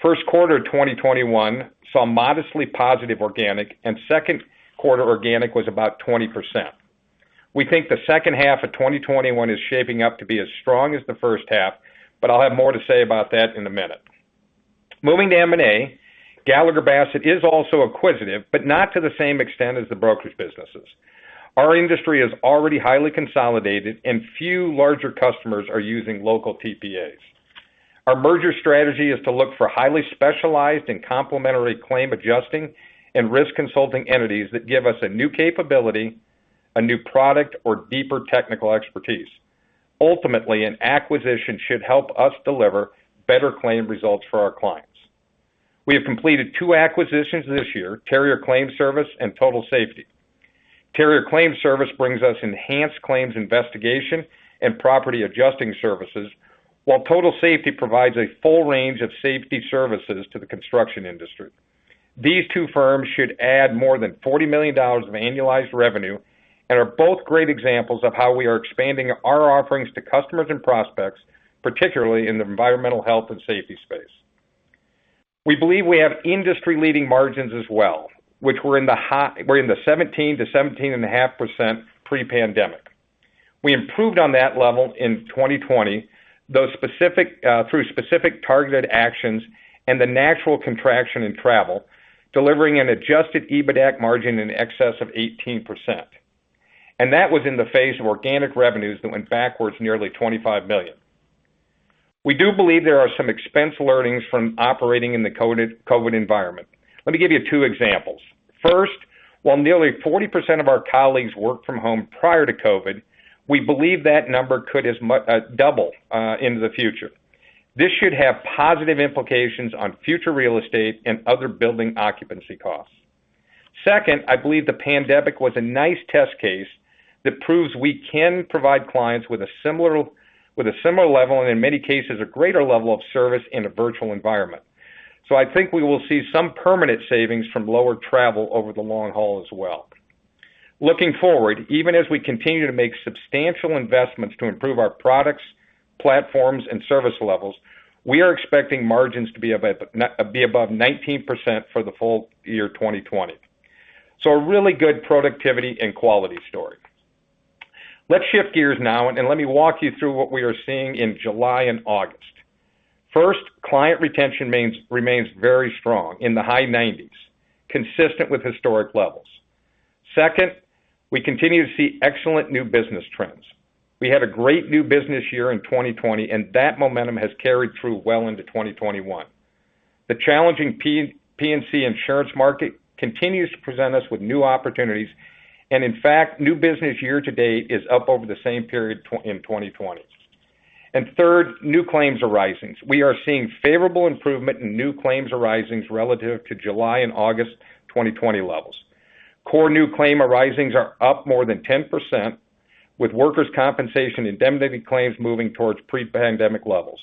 First quarter 2021 saw modestly positive organic, and second quarter organic was about 20%. We think the second half of 2021 is shaping up to be as strong as the first half, but I'll have more to say about that in a minute. Moving to M&A, Gallagher Bassett is also acquisitive, but not to the same extent as the brokerage businesses. Our industry is already highly consolidated, and few larger customers are using local TPAs. Our merger strategy is to look for highly specialized and complementary claim adjusting and risk consulting entities that give us a new capability, a new product, or deeper technical expertise. Ultimately, an acquisition should help us deliver better claim results for our clients. We have completed 2 acquisitions this year, Terrier Claims Service and Total Safety. Terrier Claims Service brings us enhanced claims investigation and property adjusting services, while Total Safety provides a full range of safety services to the construction industry. These 2 firms should add more than $40 million of annualized revenue and are both great examples of how we are expanding our offerings to customers and prospects, particularly in the environmental health and safety space. We believe we have industry-leading margins as well, which were in the 17%-17.5% pre-pandemic. We improved on that level in 2020 through specific targeted actions and the natural contraction in travel, delivering an adjusted EBITAC margin in excess of 18%. That was in the face of organic revenues that went backwards nearly $25 million. We do believe there are some expense learnings from operating in the COVID environment. Let me give you 2 examples. First, while nearly 40% of our colleagues worked from home prior to COVID, we believe that number could double in the future. This should have positive implications on future real estate and other building occupancy costs. Second, I believe the pandemic was a nice test case that proves we can provide clients with a similar level, and in many cases, a greater level of service in a virtual environment. I think we will see some permanent savings from lower travel over the long haul as well. Looking forward, even as we continue to make substantial investments to improve our products, platforms, and service levels, we are expecting margins to be above 19% for the full year 2020. A really good productivity and quality story. Let's shift gears now, and let me walk you through what we are seeing in July and August. First, client retention remains very strong, in the high 90s, consistent with historic levels. Second, we continue to see excellent new business trends. We had a great new business year in 2020, and that momentum has carried through well into 2021. The challenging P&C insurance market continues to present us with new opportunities, and in fact, new business year to date is up over the same period in 2020. Third, new claims arisings. We are seeing favorable improvement in new claims arisings relative to July and August 2020 levels. Core new claim arisings are up more than 10%, with workers' compensation indemnity claims moving towards pre-pandemic levels.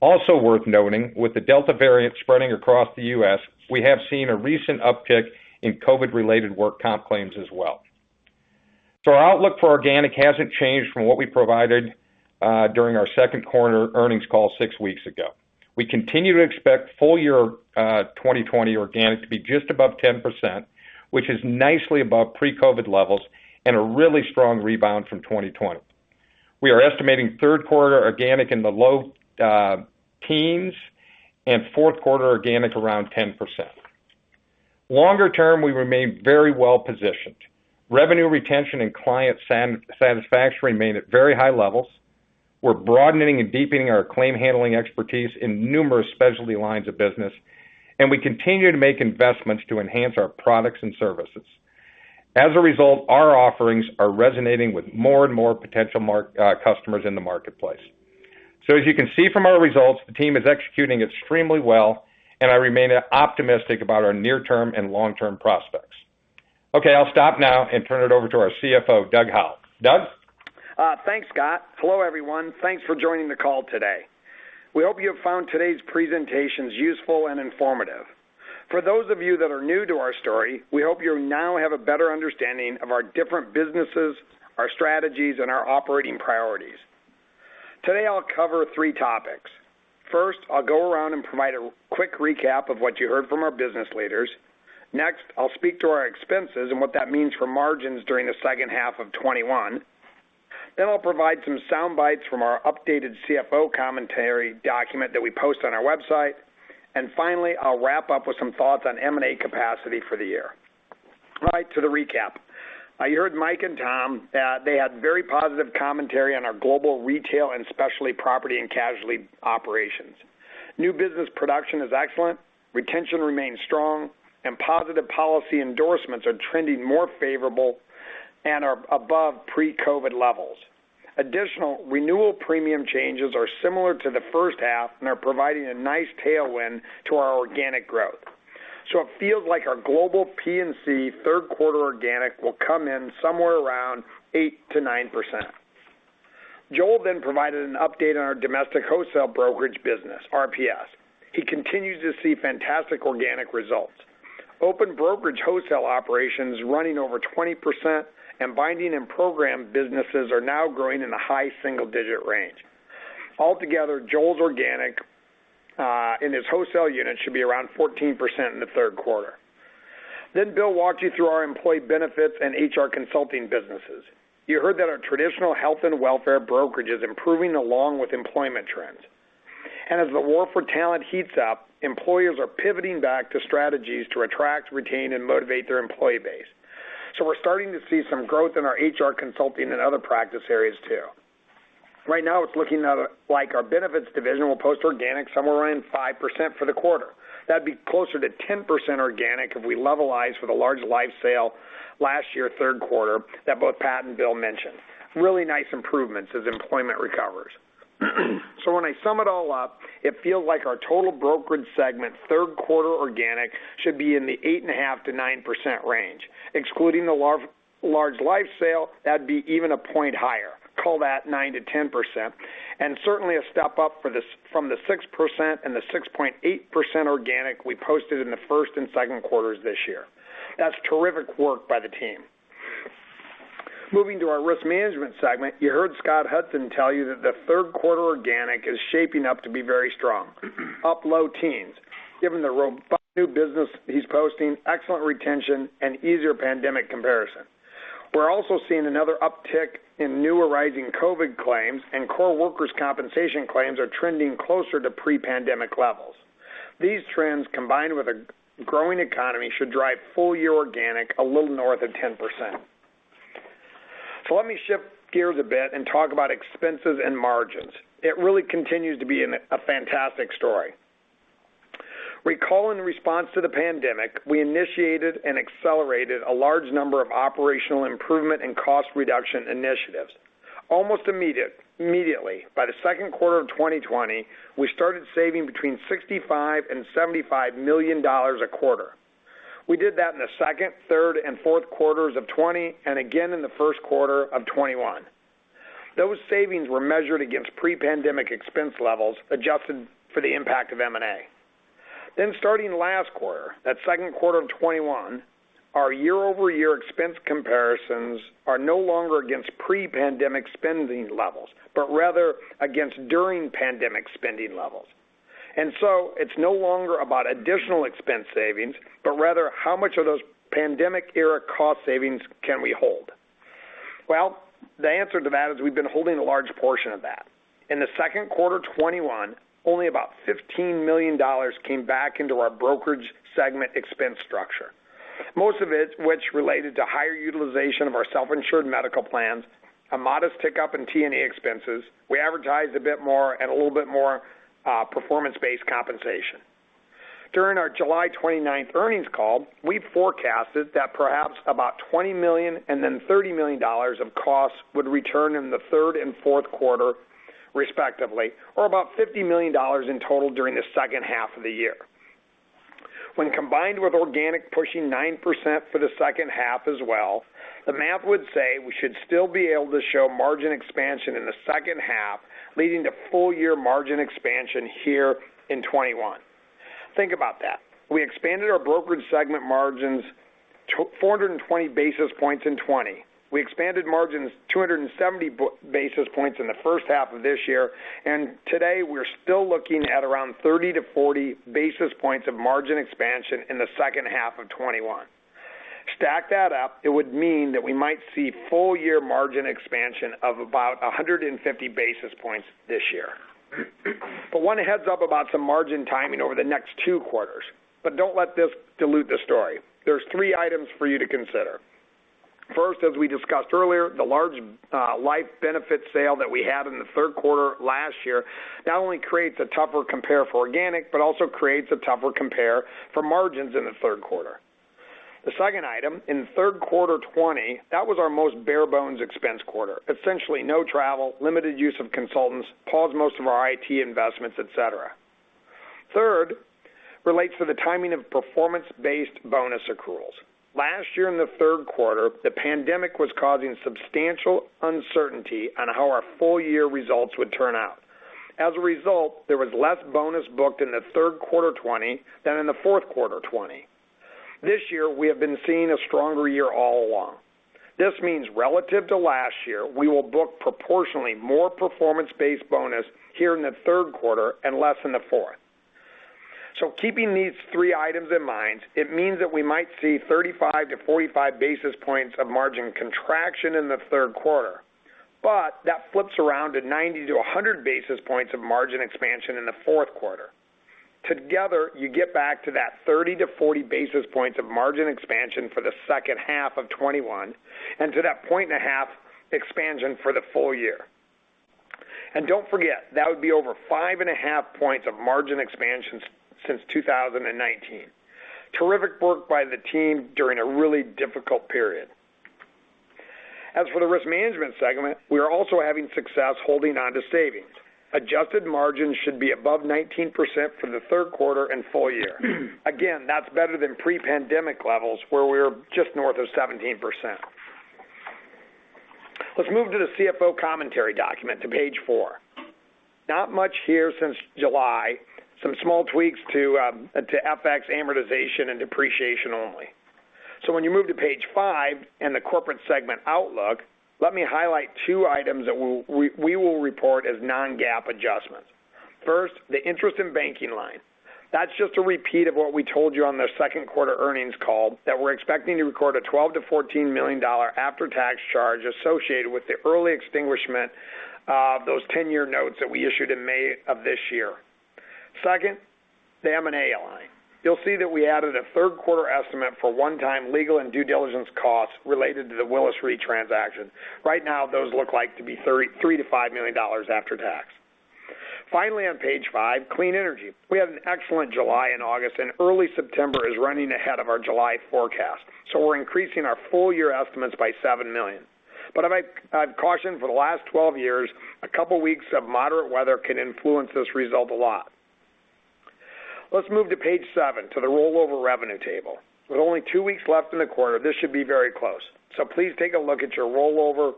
Also worth noting, with the Delta variant spreading across the U.S., we have seen a recent uptick in COVID-related work comp claims as well. Our outlook for organic hasn't changed from what we provided during our second quarter earnings call 6 weeks ago. We continue to expect full year 2020 organic to be just above 10%, which is nicely above pre-COVID-19 levels and a really strong rebound from 2020. We are estimating third quarter organic in the low teens and fourth quarter organic around 10%. Longer term, we remain very well-positioned. Revenue retention and client satisfaction remain at very high levels. We're broadening and deepening our claim handling expertise in numerous specialty lines of business, and we continue to make investments to enhance our products and services. As a result, our offerings are resonating with more and more potential customers in the marketplace. As you can see from our results, the team is executing extremely well, and I remain optimistic about our near-term and long-term prospects. Okay, I'll stop now and turn it over to our CFO, Doug Howell. Doug? Thanks, Scott. Hello, everyone. Thanks for joining the call today. We hope you have found today's presentations useful and informative. For those of you that are new to our story, we hope you now have a better understanding of our different businesses, our strategies, and our operating priorities. Today, I'll cover 3 topics. First, I'll go around and provide a quick recap of what you heard from our business leaders. Next, I'll speak to our expenses and what that means for margins during the second half of 2021. I'll provide some soundbites from our updated CFO commentary document that we post on our website. Finally, I'll wrap up with some thoughts on M&A capacity for the year. Right to the recap. You heard Mike and Tom, they had very positive commentary on our global retail and specialty property and casualty operations. New business production is excellent, retention remains strong, positive policy endorsements are trending more favorable and are above pre-COVID-19 levels. Additional renewal premium changes are similar to the first half, are providing a nice tailwind to our organic growth. It feels like our global P&C third quarter organic will come in somewhere around 8%-9%. Joel provided an update on our domestic wholesale brokerage business, RPS. He continues to see fantastic organic results. Open brokerage wholesale operations running over 20%, binding and program businesses are now growing in the high single-digit range. Altogether, Joel's organic, in his wholesale unit, should be around 14% in the third quarter. Bill walked you through our employee benefits and HR consulting businesses. You heard that our traditional health and welfare brokerage is improving along with employment trends. As the war for talent heats up, employers are pivoting back to strategies to attract, retain, and motivate their employee base. We're starting to see some growth in our HR consulting and other practice areas too. Right now it's looking like our benefits division will post organic somewhere around 5% for the quarter. That'd be closer to 10% organic if we levelize with a large life sale last year, third quarter, that both Pat and Bill mentioned. Really nice improvements as employment recovers. When I sum it all up, it feels like our total brokerage segment third quarter organic should be in the 8.5%-9% range, excluding the large life sale, that'd be even a point higher. Call that 9%-10%, and certainly a step up from the 6% and the 6.8% organic we posted in the first and second quarters this year. That's terrific work by the team. Moving to our risk management segment, you heard Scott Hudson tell you that the third quarter organic is shaping up to be very strong, up low teens, given the robust new business he's posting excellent retention and easier pandemic comparison. We're also seeing another uptick in new arising COVID claims and core workers' compensation claims are trending closer to pre-pandemic levels. These trends, combined with a growing economy, should drive full-year organic a little north of 10%. Let me shift gears a bit and talk about expenses and margins. It really continues to be a fantastic story. Recall in response to the pandemic, we initiated and accelerated a large number of operational improvement and cost reduction initiatives. Almost immediately, by the second quarter of 2020, we started saving between $65 million and $75 million a quarter. We did that in the second, third and fourth quarters of 2020, and again in the first quarter of 2021. Those savings were measured against pre-pandemic expense levels, adjusted for the impact of M&A. Starting last quarter, that second quarter of 2021, our year-over-year expense comparisons are no longer against pre-pandemic spending levels, but rather against during pandemic spending levels. It's no longer about additional expense savings, but rather how much of those pandemic-era cost savings can we hold? Well, the answer to that is we've been holding a large portion of that. In the second quarter 2021, only about $15 million came back into our brokerage segment expense structure, most of it which related to higher utilization of our self-insured medical plans, a modest tick-up in T&E expenses. We advertised a bit more at a little bit more performance-based compensation. During our July 29th earnings call, we forecasted that perhaps about $20 million and then $30 million of costs would return in the third and fourth quarter, respectively, or about $50 million in total during the second half of the year. When combined with organic pushing 9% for the second half as well, the math would say we should still be able to show margin expansion in the second half, leading to full-year margin expansion here in '21. Think about that. We expanded our brokerage segment margins 420 basis points in '20. We expanded margins 270 basis points in the first half of this year, today we're still looking at around 30 to 40 basis points of margin expansion in the second half of '21. Stack that up, it would mean that we might see full-year margin expansion of about 150 basis points this year. One heads-up about some margin timing over the next 2 quarters. Don't let this dilute the story. There's 3 items for you to consider. First, as we discussed earlier, the large life benefits sale that we had in the third quarter 2020 not only creates a tougher compare for organic, but also creates a tougher compare for margins in the third quarter. The second item, in the third quarter 2020, that was our most bare bones expense quarter. Essentially no travel, limited use of consultants, paused most of our IT investments, et cetera. Third relates to the timing of performance-based bonus accruals. Last year in the third quarter, the pandemic was causing substantial uncertainty on how our full-year results would turn out. As a result, there was less bonus booked in the third quarter 2020 than in the fourth quarter 2020. This year, we have been seeing a stronger year all along. This means relative to last year, we will book proportionally more performance-based bonus here in the third quarter and less in the fourth. Keeping these three items in mind, it means that we might see 35-45 basis points of margin contraction in the third quarter. That flips around to 90-100 basis points of margin expansion in the fourth quarter. Together, you get back to that 30-40 basis points of margin expansion for the second half of 2021, and to that 1.5 points of expansion for the full year. Don't forget, that would be over 5.5 points of margin expansion since 2019. Terrific work by the team during a really difficult period. As for the Risk Management segment, we are also having success holding onto savings. Adjusted margins should be above 19% for the third quarter and full year. Again, that's better than pre-pandemic levels where we were just north of 17%. Let's move to the CFO commentary document to page 4. Not much here since July. Some small tweaks to FX amortization and depreciation only. When you move to page 5 in the corporate segment outlook, let me highlight 2 items that we will report as non-GAAP adjustments. First, the interest in banking line. That's just a repeat of what we told you on the second quarter earnings call, that we're expecting to record a $12 million-$14 million after-tax charge associated with the early extinguishment of those 10-year notes that we issued in May of this year. Second, the M&A line. You'll see that we added a third quarter estimate for one-time legal and due diligence costs related to the Willis Re transaction. Right now, those look like to be $3 million-$5 million after tax. Finally, on page 5, clean energy. We had an excellent July and August, and early September is running ahead of our July forecast. We're increasing our full-year estimates by $7 million. I've cautioned for the last 12 years, a couple weeks of moderate weather can influence this result a lot. Let's move to page 7, to the rollover revenue table. With only two weeks left in the quarter, this should be very close. Please take a look at your rollover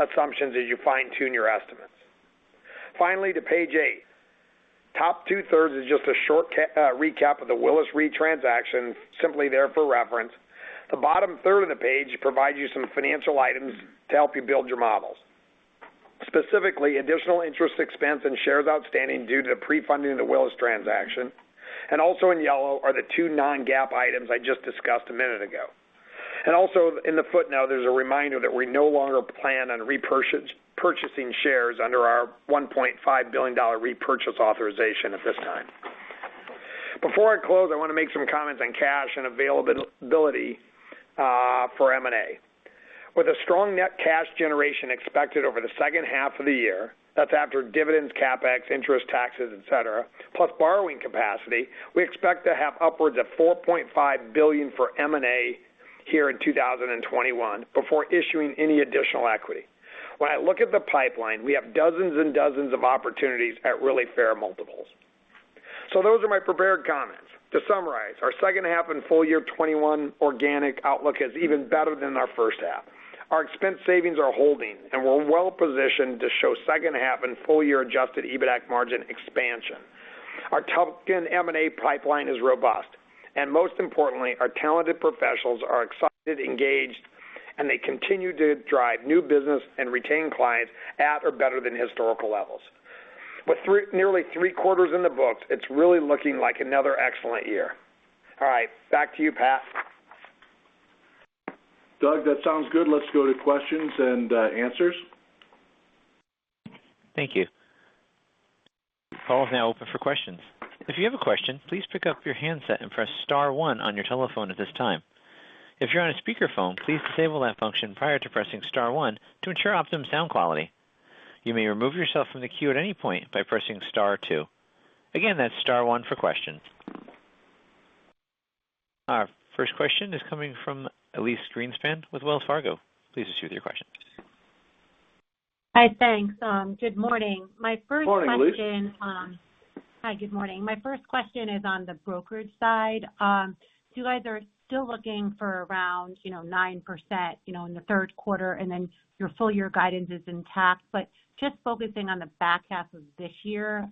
assumptions as you fine-tune your estimates. Finally, to page 8. Top two-thirds is just a short recap of the Willis Re transaction, simply there for reference. The bottom third of the page provides you some financial items to help you build your models. Specifically, additional interest expense and shares outstanding due to pre-funding the Willis transaction, and also in yellow are the two non-GAAP items I just discussed a minute ago. Also in the footnote, there's a reminder that we no longer plan on repurchasing shares under our $1.5 billion repurchase authorization at this time. Before I close, I want to make some comments on cash and availability for M&A. With a strong net cash generation expected over the second half of the year, that's after dividends, CapEx, interest, taxes, et cetera, plus borrowing capacity, we expect to have upwards of $4.5 billion for M&A here in 2021 before issuing any additional equity. When I look at the pipeline, we have dozens and dozens of opportunities at really fair multiples. Those are my prepared comments. To summarize, our second half and full year 2021 organic outlook is even better than our first half. Our expense savings are holding, and we're well-positioned to show second half and full year adjusted EBITAC margin expansion. Our tuck-in M&A pipeline is robust, and most importantly, our talented professionals are excited, engaged, and they continue to drive new business and retain clients at or better than historical levels. With nearly three quarters in the books, it's really looking like another excellent year. All right, back to you, Pat. Doug, that sounds good. Let's go to questions and answers. Our first question is coming from Elyse Greenspan with Wells Fargo. Please proceed with your question. Hi, thanks. Good morning. Good morning, Elyse. Hi, good morning. My first question is on the brokerage side. You guys are still looking for around 9% in the third quarter, and then your full-year guidance is intact, but just focusing on the back half of this year.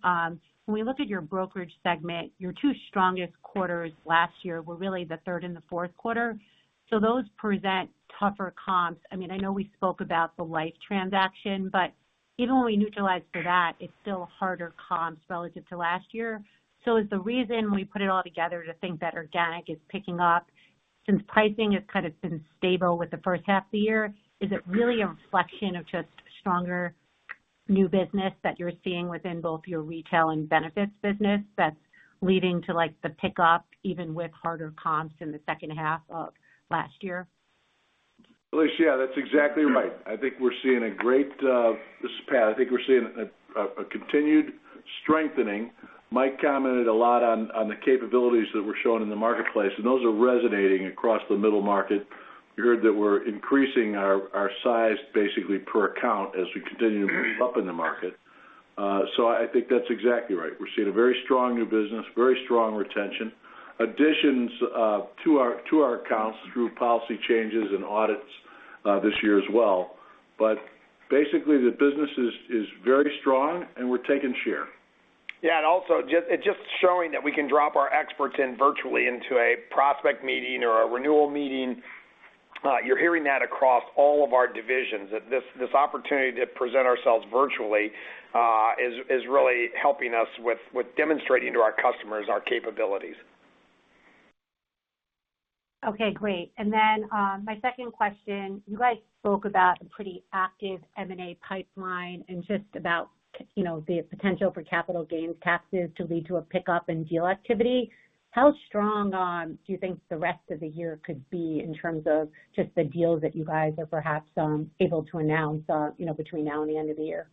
When we look at your brokerage segment, your two strongest quarters last year were really the third and the fourth quarter. Those present tougher comps. I know we spoke about the life transaction, but even when we neutralize for that, it's still harder comps relative to last year. Is the reason when we put it all together to think that organic is picking up, since pricing has kind of been stable with the first half of the year, is it really a reflection of just stronger new business that you're seeing within both your retail and benefits business that's leading to the pickup even with harder comps in the second half of last year? Elyse, yeah, that's exactly right. This is Pat. I think we're seeing a continued strengthening. Mike commented a lot on the capabilities that we're showing in the marketplace, and those are resonating across the middle market. You heard that we're increasing our size basically per account as we continue to move up in the market. I think that's exactly right. We're seeing a very strong new business, very strong retention. Additions to our accounts through policy changes and audits this year as well. Basically, the business is very strong and we're taking share. Yeah, also, it's just showing that we can drop our experts in virtually into a prospect meeting or a renewal meeting. You're hearing that across all of our divisions, that this opportunity to present ourselves virtually is really helping us with demonstrating to our customers our capabilities. Okay, great. My second question, you guys spoke about a pretty active M&A pipeline and just about the potential for capital gains taxes to lead to a pickup in deal activity. How strong do you think the rest of the year could be in terms of just the deals that you guys are perhaps able to announce between now and the end of the year?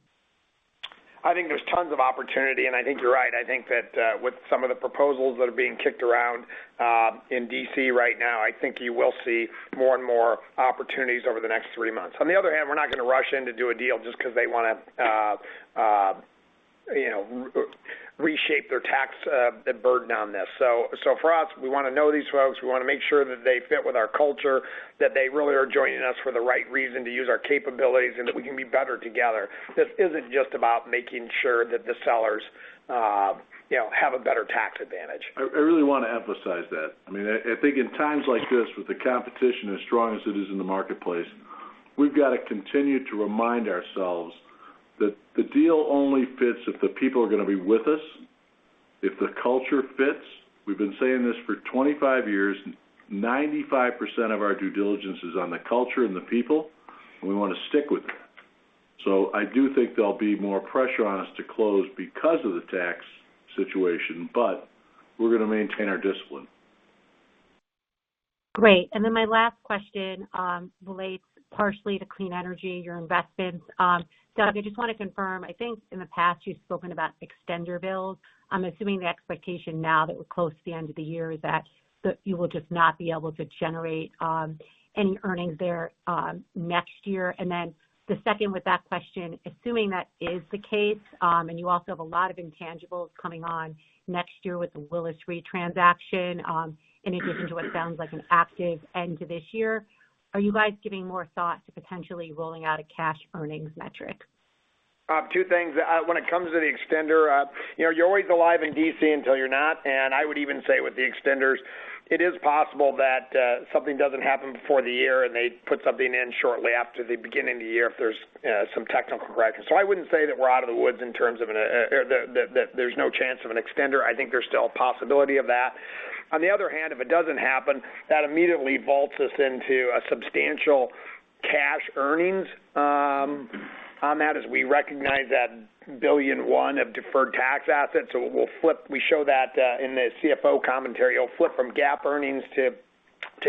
I think there's tons of opportunity, and I think you're right. I think that with some of the proposals that are being kicked around in D.C. right now, I think you will see more and more opportunities over the next three months. On the other hand, we're not going to rush in to do a deal just because they want to reshape their tax burden on this. For us, we want to know these folks. We want to make sure that they fit with our culture, that they really are joining us for the right reason, to use our capabilities, and that we can be better together. This isn't just about making sure that the sellers have a better tax advantage. I really want to emphasize that. I think in times like this, with the competition as strong as it is in the marketplace, we've got to continue to remind ourselves that the deal only fits if the people are going to be with us, if the culture fits. We've been saying this for 25 years. 95% of our due diligence is on the culture and the people, and we want to stick with that. I do think there'll be more pressure on us to close because of the tax situation, but we're going to maintain our discipline. Great. My last question relates partially to clean energy, your investments. Doug, I just want to confirm, I think in the past you've spoken about extender bills. I'm assuming the expectation now that we're close to the end of the year is that you will just not be able to generate any earnings there next year. The second with that question, assuming that is the case, and you also have a lot of intangibles coming on next year with the Willis Re transaction in addition to what sounds like an active end to this year. Are you guys giving more thought to potentially rolling out a cash earnings metric? Two things. When it comes to the extender, you're always alive in D.C. until you're not. I would even say with the extenders, it is possible that something doesn't happen before the year, and they put something in shortly after the beginning of the year if there's some technical correction. I wouldn't say that we're out of the woods in terms of that there's no chance of an extender. I think there's still a possibility of that. On the other hand, if it doesn't happen, that immediately vaults us into a substantial cash earnings on that as we recognize that $1.1 billion of deferred tax assets. We show that in the CFO commentary. It'll flip from GAAP earnings to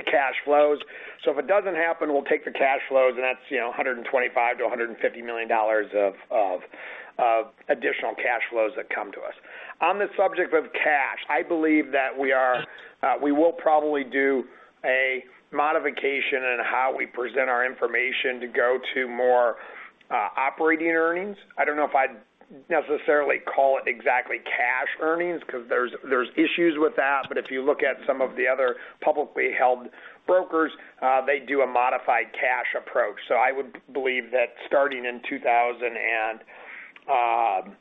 cash flows. If it doesn't happen, we'll take the cash flows, and that's $125 million-$150 million of additional cash flows that come to us. On the subject of cash, I believe that we will probably do a modification in how we present our information to go to more operating earnings. I don't know if I'd necessarily call it exactly cash earnings because there's issues with that. If you look at some of the other publicly held brokers, they do a modified cash approach. I would believe that starting in 2022,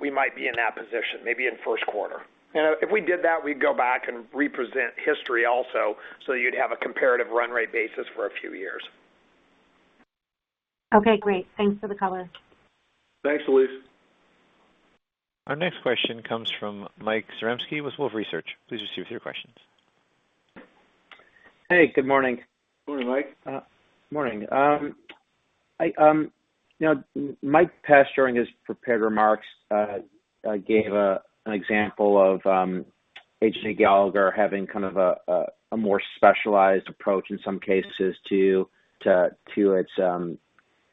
we might be in that position, maybe in the 1st quarter. If we did that, we'd go back and represent history also, so you'd have a comparative run rate basis for a few years. Okay, great. Thanks for the color. Thanks, Elyse. Our next question comes from Mike Zaremski with Wolfe Research. Please proceed with your questions. Hey, good morning. Morning, Mike. Morning. Mike Pesch, during his prepared remarks gave an example of AJ Gallagher having kind of a more specialized approach in some cases to its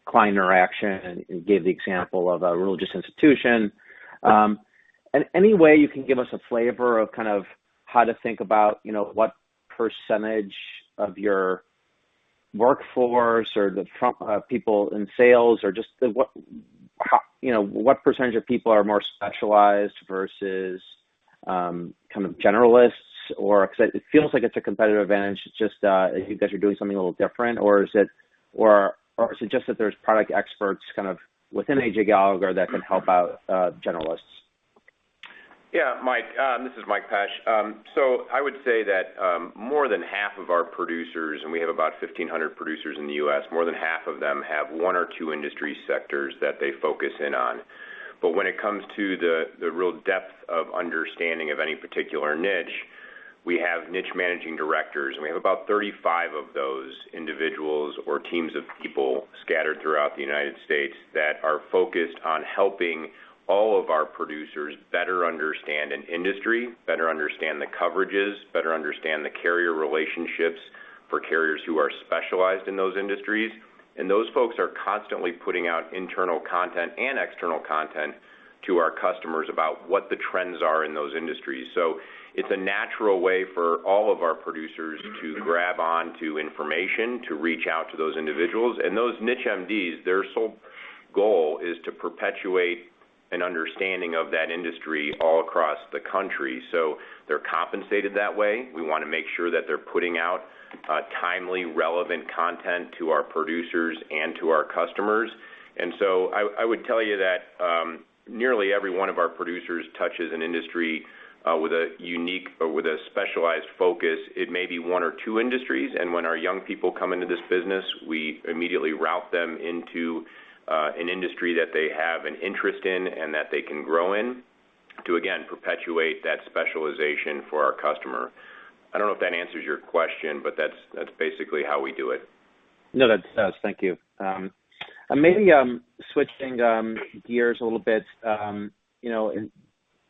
client interaction and gave the example of a religious institution. Any way you can give us a flavor of kind of how to think about what percentage of your workforce or the front people in sales or just what percentage of people are more specialized versus kind of generalists or because it feels like it's a competitive advantage? It's just that you guys are doing something a little different. Or is it just that there's product experts kind of within AJ Gallagher that can help out generalists? Mike. This is Michael Pesch. I would say that more than half of our producers, and we have about 1,500 producers in the U.S., more than half of them have one or two industry sectors that they focus in on. When it comes to the real depth of understanding of any particular niche, we have niche managing directors, and we have about 35 of those individuals or teams of people scattered throughout the United States that are focused on helping all of our producers better understand an industry, better understand the coverages, better understand the carrier relationships for carriers who are specialized in those industries. Those folks are constantly putting out internal content and external content to our customers about what the trends are in those industries. It's a natural way for all of our producers to grab on to information, to reach out to those individuals. Those niche MDs, their sole goal is to perpetuate. An understanding of that industry all across the country. They're compensated that way. We want to make sure that they're putting out timely, relevant content to our producers and to our customers. I would tell you that nearly every one of our producers touches an industry with a unique or with a specialized focus. It may be one or two industries, and when our young people come into this business, we immediately route them into an industry that they have an interest in and that they can grow in to, again, perpetuate that specialization for our customer. I don't know if that answers your question, but that's basically how we do it. No, that does. Thank you. Maybe switching gears a little bit.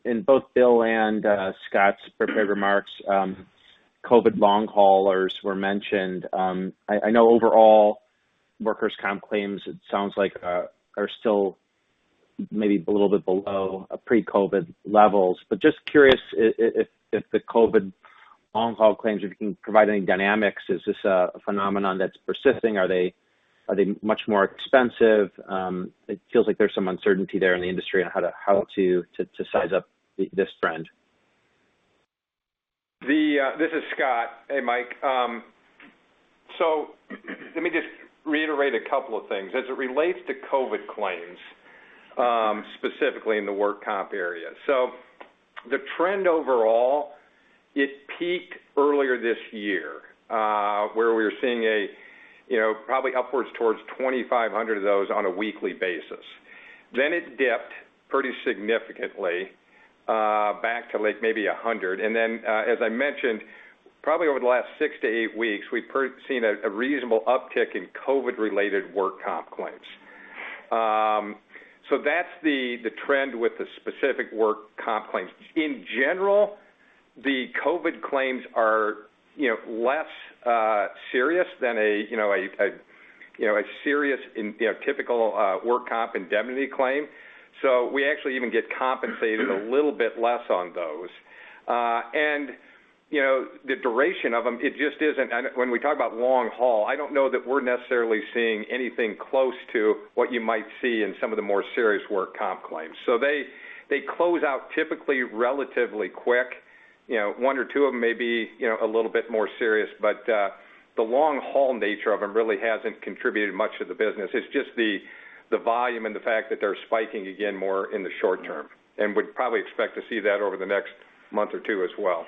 In both Bill and Scott's prepared remarks, COVID long haulers were mentioned. I know overall workers' comp claims, it sounds like, are still maybe a little bit below pre-COVID levels. Just curious if the COVID long haul claims, if you can provide any dynamics. Is this a phenomenon that's persisting? Are they much more expensive? It feels like there's some uncertainty there in the industry on how to size up this trend. This is Scott. Hey, Mike. Let me just reiterate a couple of things as it relates to COVID claims, specifically in the work comp area. The trend overall, it peaked earlier this year, where we were seeing probably upwards towards 2,500 of those on a weekly basis. It dipped pretty significantly back to maybe 100. As I mentioned, probably over the last 6 to 8 weeks, we've seen a reasonable uptick in COVID-related work comp claims. That's the trend with the specific work comp claims. In general, the COVID claims are less serious than a serious, typical work comp indemnity claim. We actually even get compensated a little bit less on those. The duration of them, when we talk about long haul, I don't know that we're necessarily seeing anything close to what you might see in some of the more serious work comp claims. They close out typically relatively quick. 1 or 2 of them may be a little bit more serious, but the long-haul nature of them really hasn't contributed much to the business. It's just the volume and the fact that they're spiking again more in the short term, and would probably expect to see that over the next month or 2 as well.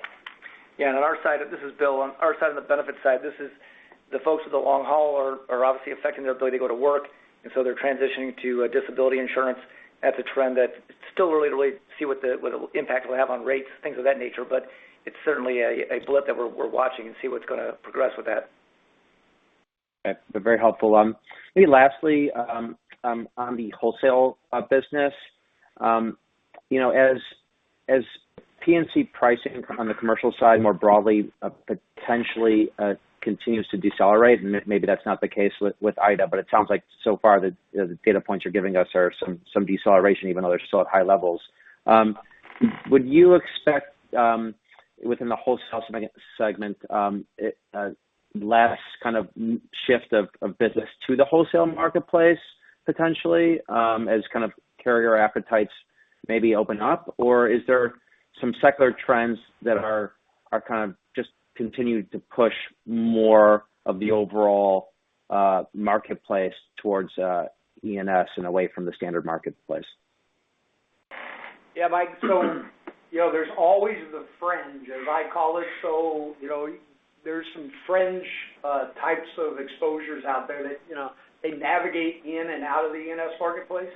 On our side, this is Bill, on our side, on the benefits side, the folks with the long haul are obviously affecting their ability to go to work, they're transitioning to disability insurance. That's a trend that still really to wait to see what impact it'll have on rates, things of that nature, it's certainly a blip that we're watching and see what's going to progress with that. Very helpful. Maybe lastly, on the wholesale business. As P&C pricing on the commercial side, more broadly, potentially continues to decelerate, and maybe that's not the case with Ida, but it sounds like so far the data points you're giving us are some deceleration, even though they're still at high levels. Would you expect, within the wholesale segment, less shift of business to the wholesale marketplace potentially, as carrier appetites maybe open up? Or is there some secular trends that just continue to push more of the overall marketplace towards E&S and away from the standard marketplace? Yeah, Mike. There's always the fringe, as I call it. There's some fringe types of exposures out there that navigate in and out of the E&S marketplace.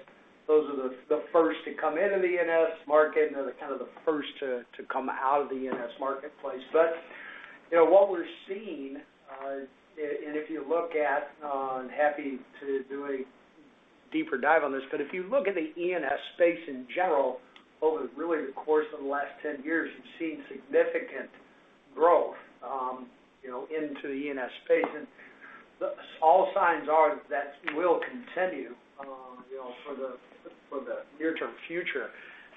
What we're seeing, and if you look at, and happy to do a deeper dive on this, but if you look at the E&S space in general over really the course of the last 10 years, you've seen significant growth into the E&S space. All signs are that will continue for the near-term future.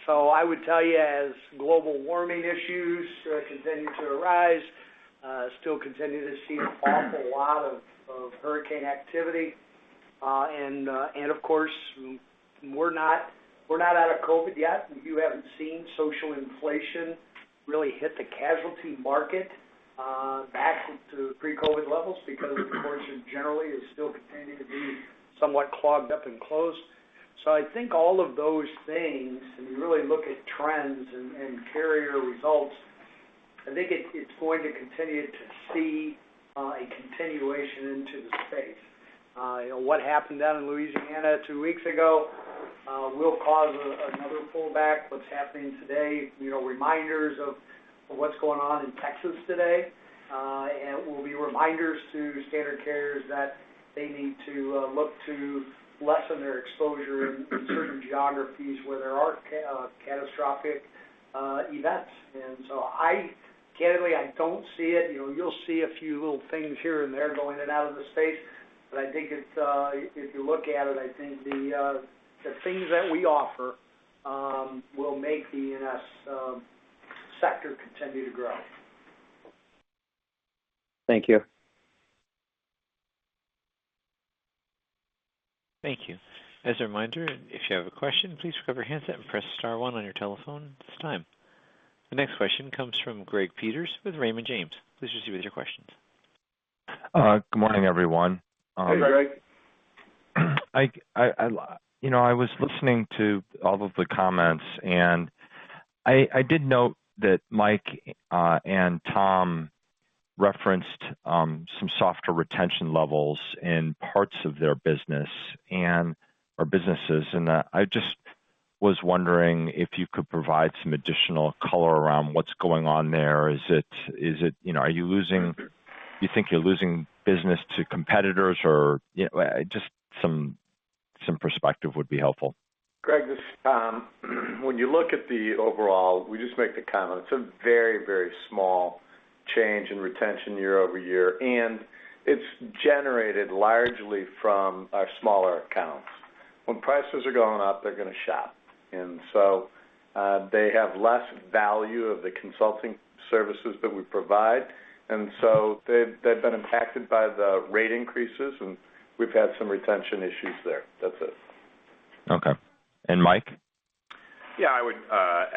I would tell you as global warming issues continue to arise, still continue to see an awful lot of hurricane activity. Of course, we're not out of COVID yet. You haven't seen social inflation really hit the casualty market back into pre-COVID levels because, of course, it generally is still continuing to be somewhat clogged up and closed. I think all of those things, if you really look at trends and carrier results, I think it's going to continue to see a continuation into the space. What happened down in Louisiana 2 weeks ago will cause another pullback. What's happening today, reminders of what's going on in Texas today, and will be reminders to standard carriers that they need to look to lessen their exposure in certain geographies where there are catastrophic events. Candidly, I don't see it. You'll see a few little things here and there going in and out of the space. I think if you look at it, I think the things that we offer will make the E&S sector continue to grow. Thank you. Thank you. As a reminder, if you have a question, please grab your handset and press star one on your telephone at this time. The next question comes from Gregory Peters with Raymond James. Please proceed with your questions. Good morning, everyone. Hey, Greg. I was listening to all of the comments, and I did note that Mike and Tom referenced some softer retention levels in parts of their business or businesses. I just was wondering if you could provide some additional color around what's going on there. Do you think you're losing business to competitors, or just some perspective would be helpful. Greg, when you look at the overall, we just make the comment, it's a very, very small change in retention year-over-year, and it's generated largely from our smaller accounts. When prices are going up, they're going to shop. They have less value of the consulting services that we provide, and so they've been impacted by the rate increases, and we've had some retention issues there. That's it. Okay. Mike? Yeah, I would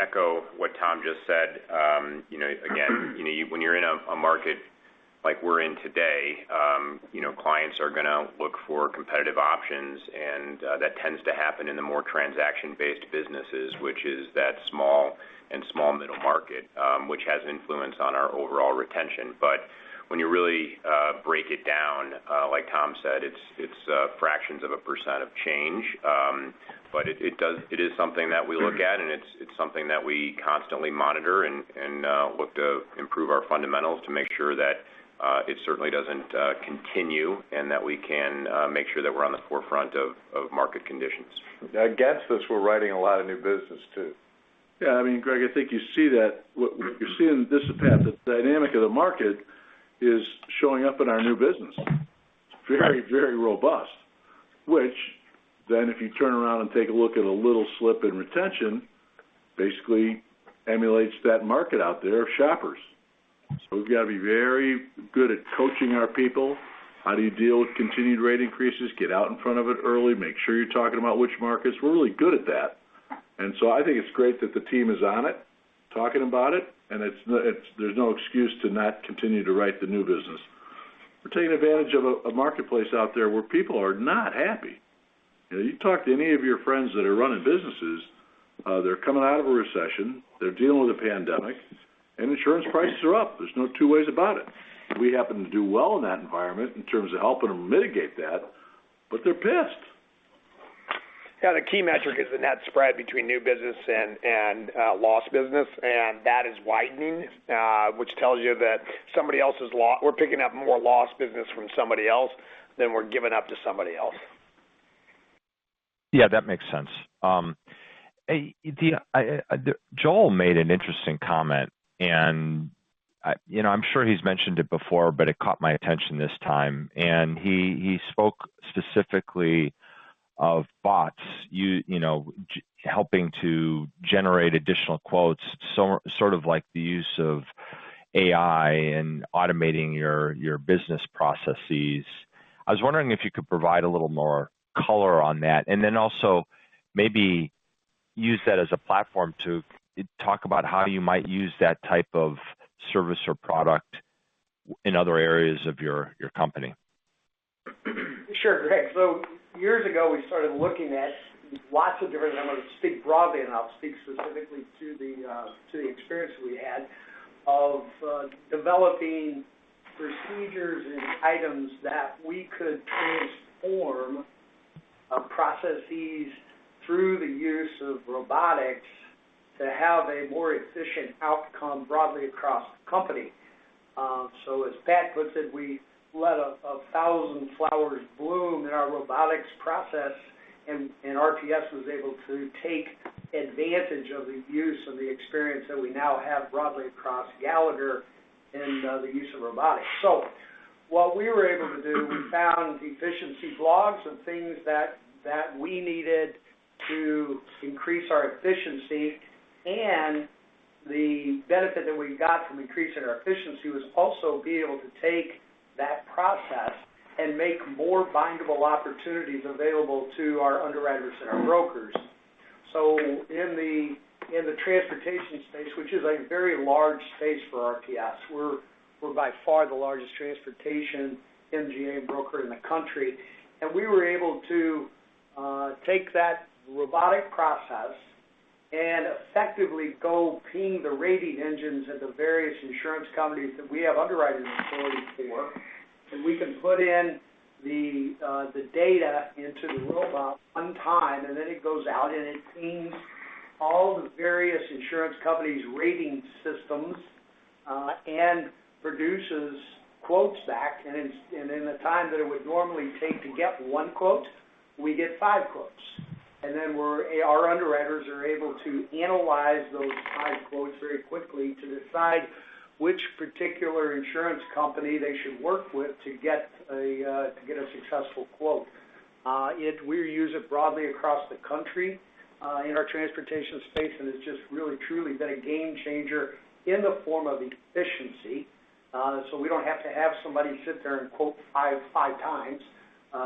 echo what Tom just said. When you're in a market like we're in today, clients are going to look for competitive options, and that tends to happen in the more transaction-based businesses, which is that small middle market, which has influence on our overall retention. When you really break it down, like Tom said, it's fractions of a percent of change. It is something that we look at, and it's something that we constantly monitor and look to improve our fundamentals to make sure that it certainly doesn't continue and that we can make sure that we're on the forefront of market conditions. Against this, we're writing a lot of new business, too. Greg, I think you're seeing this happen. The dynamic of the market is showing up in our new business. Right. Very, very robust. If you turn around and take a look at a little slip in retention, basically emulates that market out there of shoppers. We've got to be very good at coaching our people. How do you deal with continued rate increases? Get out in front of it early. Make sure you're talking about which markets. We're really good at that. I think it's great that the team is on it, talking about it, and there's no excuse to not continue to write the new business. We're taking advantage of a marketplace out there where people are not happy. You talk to any of your friends that are running businesses, they're coming out of a recession, they're dealing with a pandemic, and insurance prices are up. There's no two ways about it. We happen to do well in that environment in terms of helping them mitigate that, but they're pissed. Yeah. The key metric is the net spread between new business and lost business. That is widening, which tells you that we're picking up more lost business from somebody else than we're giving up to somebody else. Yeah, that makes sense. Joel made an interesting comment. I'm sure he's mentioned it before, but it caught my attention this time. He spoke specifically of bots helping to generate additional quotes, sort of like the use of AI in automating your business processes. I was wondering if you could provide a little more color on that. Also maybe use that as a platform to talk about how you might use that type of service or product in other areas of your company. Sure, Gregory Peters. Years ago, we started looking at lots of different. I'm going to speak broadly, and I'll speak specifically to the experience we had of developing procedures and items that we could transform processes through the use of robotics to have a more efficient outcome broadly across the company. As J. Patrick Gallagher Jr. puts it, we let 1,000 flowers bloom in our robotics process, and RPS was able to take advantage of the use of the experience that we now have broadly across Gallagher in the use of robotics. What we were able to do, we found efficiency blocks and things that we needed to increase our efficiency. The benefit that we got from increasing our efficiency was also being able to take that process and make more bindable opportunities available to our underwriters and our brokers. In the transportation space, which is a very large space for RPS, we're by far the largest transportation MGA broker in the country, we were able to take that robotic process and effectively go ping the rating engines of the various insurance companies that we have underwriting authority for. We can put in the data into the robot one time, and then it goes out, and it pings all the various insurance companies' rating systems and produces quotes back. In the time that it would normally take to get one quote, we get five quotes. Our underwriters are able to analyze those five quotes very quickly to decide which particular insurance company they should work with to get a successful quote. If we use it broadly across the country in our transportation space, it's just really truly been a game changer in the form of efficiency. We don't have to have somebody sit there and quote five times.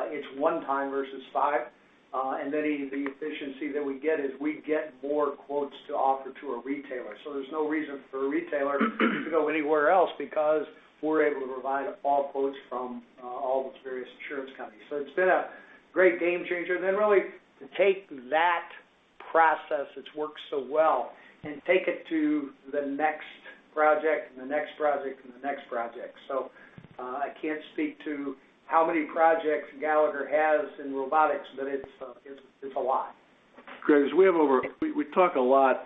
It's one time versus five. The efficiency that we get is we get more quotes to offer to a retailer. There's no reason for a retailer to go anywhere else because we're able to provide all quotes from all those various insurance companies. It's been a great game changer. Really to take that process that's worked so well and take it to the next project, and the next project. I can't speak to how many projects Gallagher has in robotics, but it's a lot. Gregory Peters, we talk a lot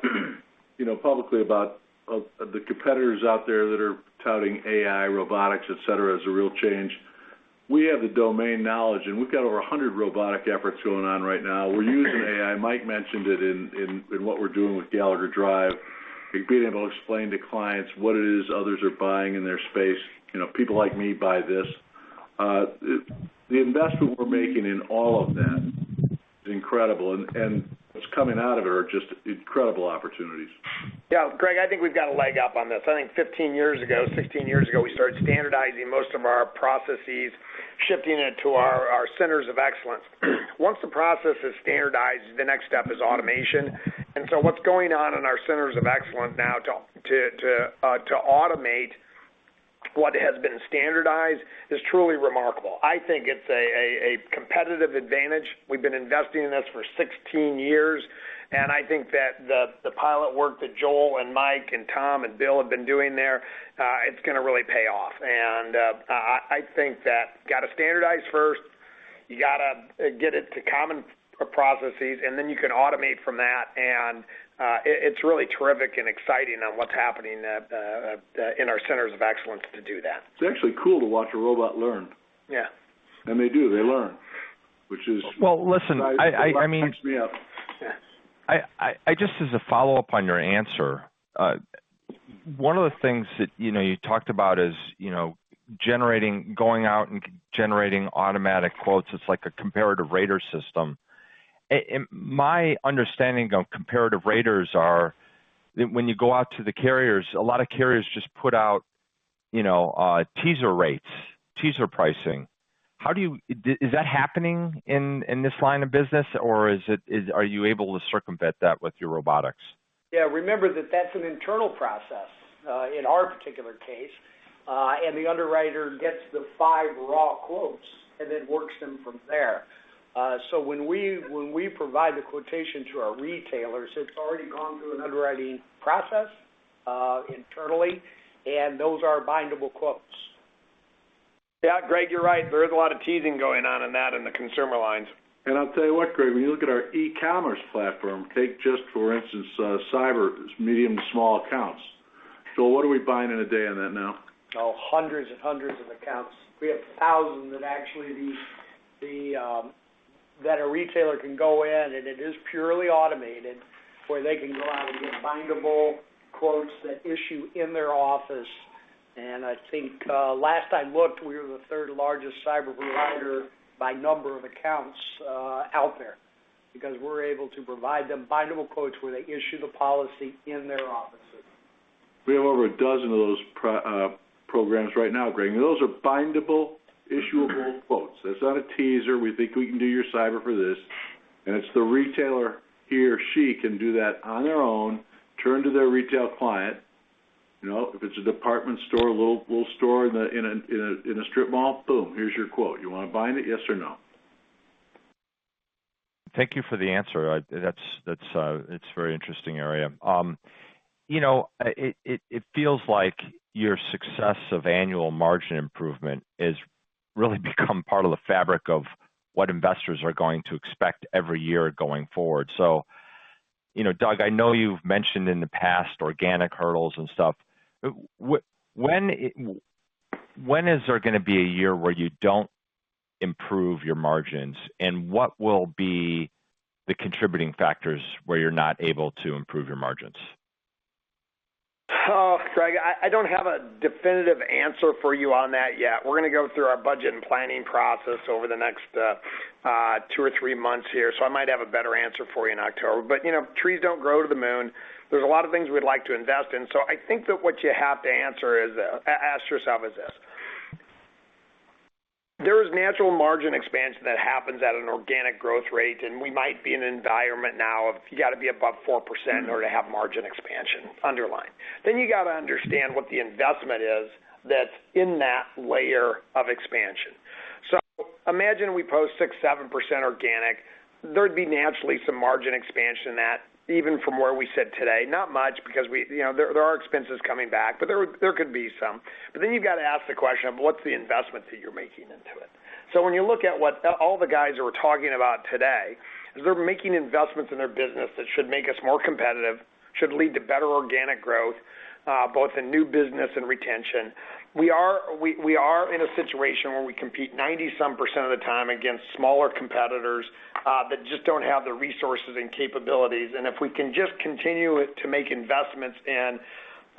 publicly about the competitors out there that are touting AI, robotics, et cetera, as a real change. We have the domain knowledge, and we've got over 100 robotic efforts going on right now. We're using AI. Michael Pesch mentioned it in what we're doing with Gallagher Drive, being able to explain to clients what it is others are buying in their space. People like me buy this. The investment we're making in all of that is incredible, and what's coming out of it are just incredible opportunities. Yeah, Greg, I think we've got a leg up on this. I think 15 years ago, 16 years ago, we started standardizing most of our processes, shifting it to our centers of excellence. Once the process is standardized, the next step is automation. What's going on in our centers of excellence now to automate what has been standardized is truly remarkable. I think it's a competitive advantage. We've been investing in this for 16 years, and I think that the pilot work that Joel and Mike and Tom and Bill have been doing there, it's going to really pay off. I think that you got to standardize first, you got to get it to common processes, and then you can automate from that. It's really terrific and exciting on what's happening in our centers of excellence to do that. It's actually cool to watch a robot learn. Yeah. They do, they learn, which is. Well, listen. besides me up. I just as a follow-up on your answer, one of the things that you talked about is going out and generating automatic quotes. It's like a comparative rater system. My understanding of comparative raters are when you go out to the carriers, a lot of carriers just put out teaser rates, teaser pricing. Is that happening in this line of business, or are you able to circumvent that with your robotics? Yeah, remember that that's an internal process in our particular case. The underwriter gets the 5 raw quotes and then works them from there. When we provide the quotation to our retailers, it's already gone through an underwriting process internally, and those are bindable quotes. Yeah, Greg, you're right. There is a lot of teasing going on in that in the consumer lines. I'll tell you what, Greg, when you look at our e-commerce platform, take just for instance, cyber's medium to small accounts. What are we buying in a day on that now? Oh, hundreds and hundreds of accounts. We have thousands that actually that a retailer can go in, and it is purely automated, where they can go out and get bindable quotes that issue in their office. I think last I looked, we were the 3rd largest cyber provider by number of accounts out there because we're able to provide them bindable quotes where they issue the policy in their offices. We have over 12 of those programs right now, Greg, and those are bindable, issuable quotes. That's not a teaser. We think we can do your cyber for this, and it's the retailer, he or she can do that on their own, turn to their retail client. If it's a department store, a little store in a strip mall, boom, here's your quote. You want to bind it? Yes or no? Thank you for the answer. It's very interesting area. It feels like your success of annual margin improvement has really become part of the fabric of what investors are going to expect every year going forward. Doug, I know you've mentioned in the past organic hurdles and stuff. When is there going to be a year where you don't improve your margins, and what will be the contributing factors where you're not able to improve your margins? Greg, I don't have a definitive answer for you on that yet. We're going to go through our budget and planning process over the next 2 or 3 months here. I might have a better answer for you in October. Trees don't grow to the moon. There's a lot of things we'd like to invest in. I think that what you have to ask yourself is this. There is natural margin expansion that happens at an organic growth rate, and we might be in an environment now of you got to be above 4% in order to have margin expansion underlying. You got to understand what the investment is that's in that layer of expansion. Imagine we post 6%, 7% organic. There'd be naturally some margin expansion in that even from where we sit today. Not much because there are expenses coming back, but there could be some. Then you've got to ask the question of what's the investment that you're making into it. When you look at what all the guys were talking about today is they're making investments in their business that should make us more competitive, should lead to better organic growth, both in new business and retention. We are in a situation where we compete 90 some % of the time against smaller competitors that just don't have the resources and capabilities. If we can just continue to make investments in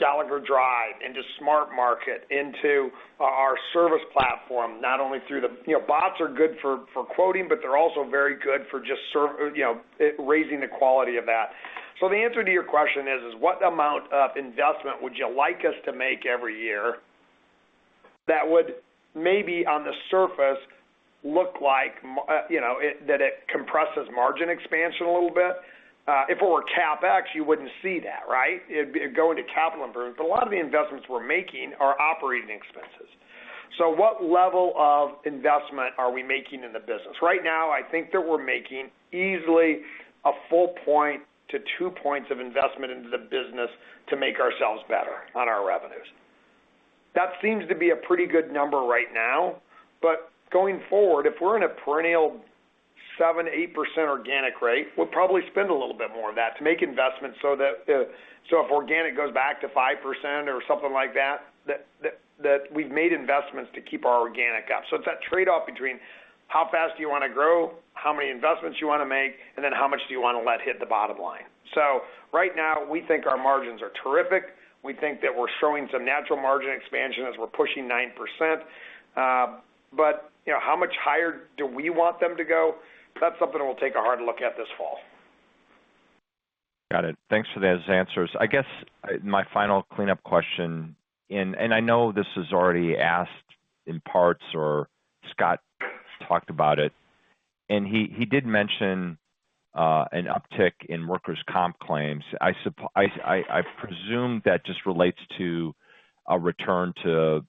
Gallagher Drive into SmartMarket, into our service platform, not only through the Bots are good for quoting, but they're also very good for just raising the quality of that. The answer to your question is, what amount of investment would you like us to make every year that would maybe on the surface look like that it compresses margin expansion a little bit? If it were CapEx, you wouldn't see that, right? It'd go into capital improvements. A lot of the investments we're making are operating expenses. What level of investment are we making in the business? Right now, I think that we're making easily a full point to 2 points of investment into the business to make ourselves better on our revenues. That seems to be a pretty good number right now. Going forward, if we're in a perennial 7%-8% organic rate, we'll probably spend a little bit more of that to make investments so if organic goes back to 5% or something like that we've made investments to keep our organic up. It's that trade-off between how fast do you want to grow, how many investments you want to make, and then how much do you want to let hit the bottom line. Right now, we think our margins are terrific. We think that we're showing some natural margin expansion as we're pushing 9%. How much higher do we want them to go? That's something we'll take a hard look at this fall. Got it. Thanks for those answers. I guess my final cleanup question, and I know this was already asked in parts or Scott talked about it, and he did mention an uptick in workers' comp claims. I presume that just relates to a return to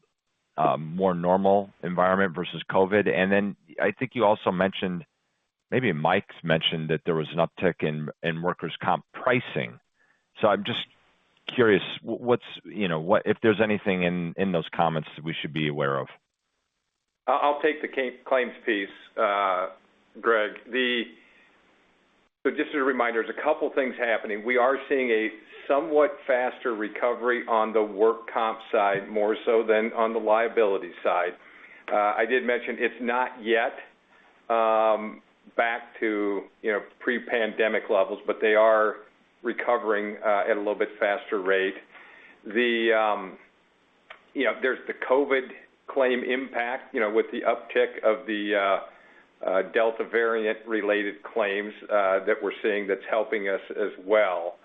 a more normal environment versus COVID. Then I think you also mentioned, maybe Mike's mentioned that there was an uptick in workers' comp pricing. I'm just curious if there's anything in those comments that we should be aware of. I'll take the claims piece, Greg. Just as a reminder, there's a couple things happening. We are seeing a somewhat faster recovery on the work comp side, more so than on the liability side. I did mention it's not yet back to pre-pandemic levels, but they are recovering at a little bit faster rate. There's the COVID claim impact, with the uptick of the Delta variant related claims that we're seeing that's helping us as well.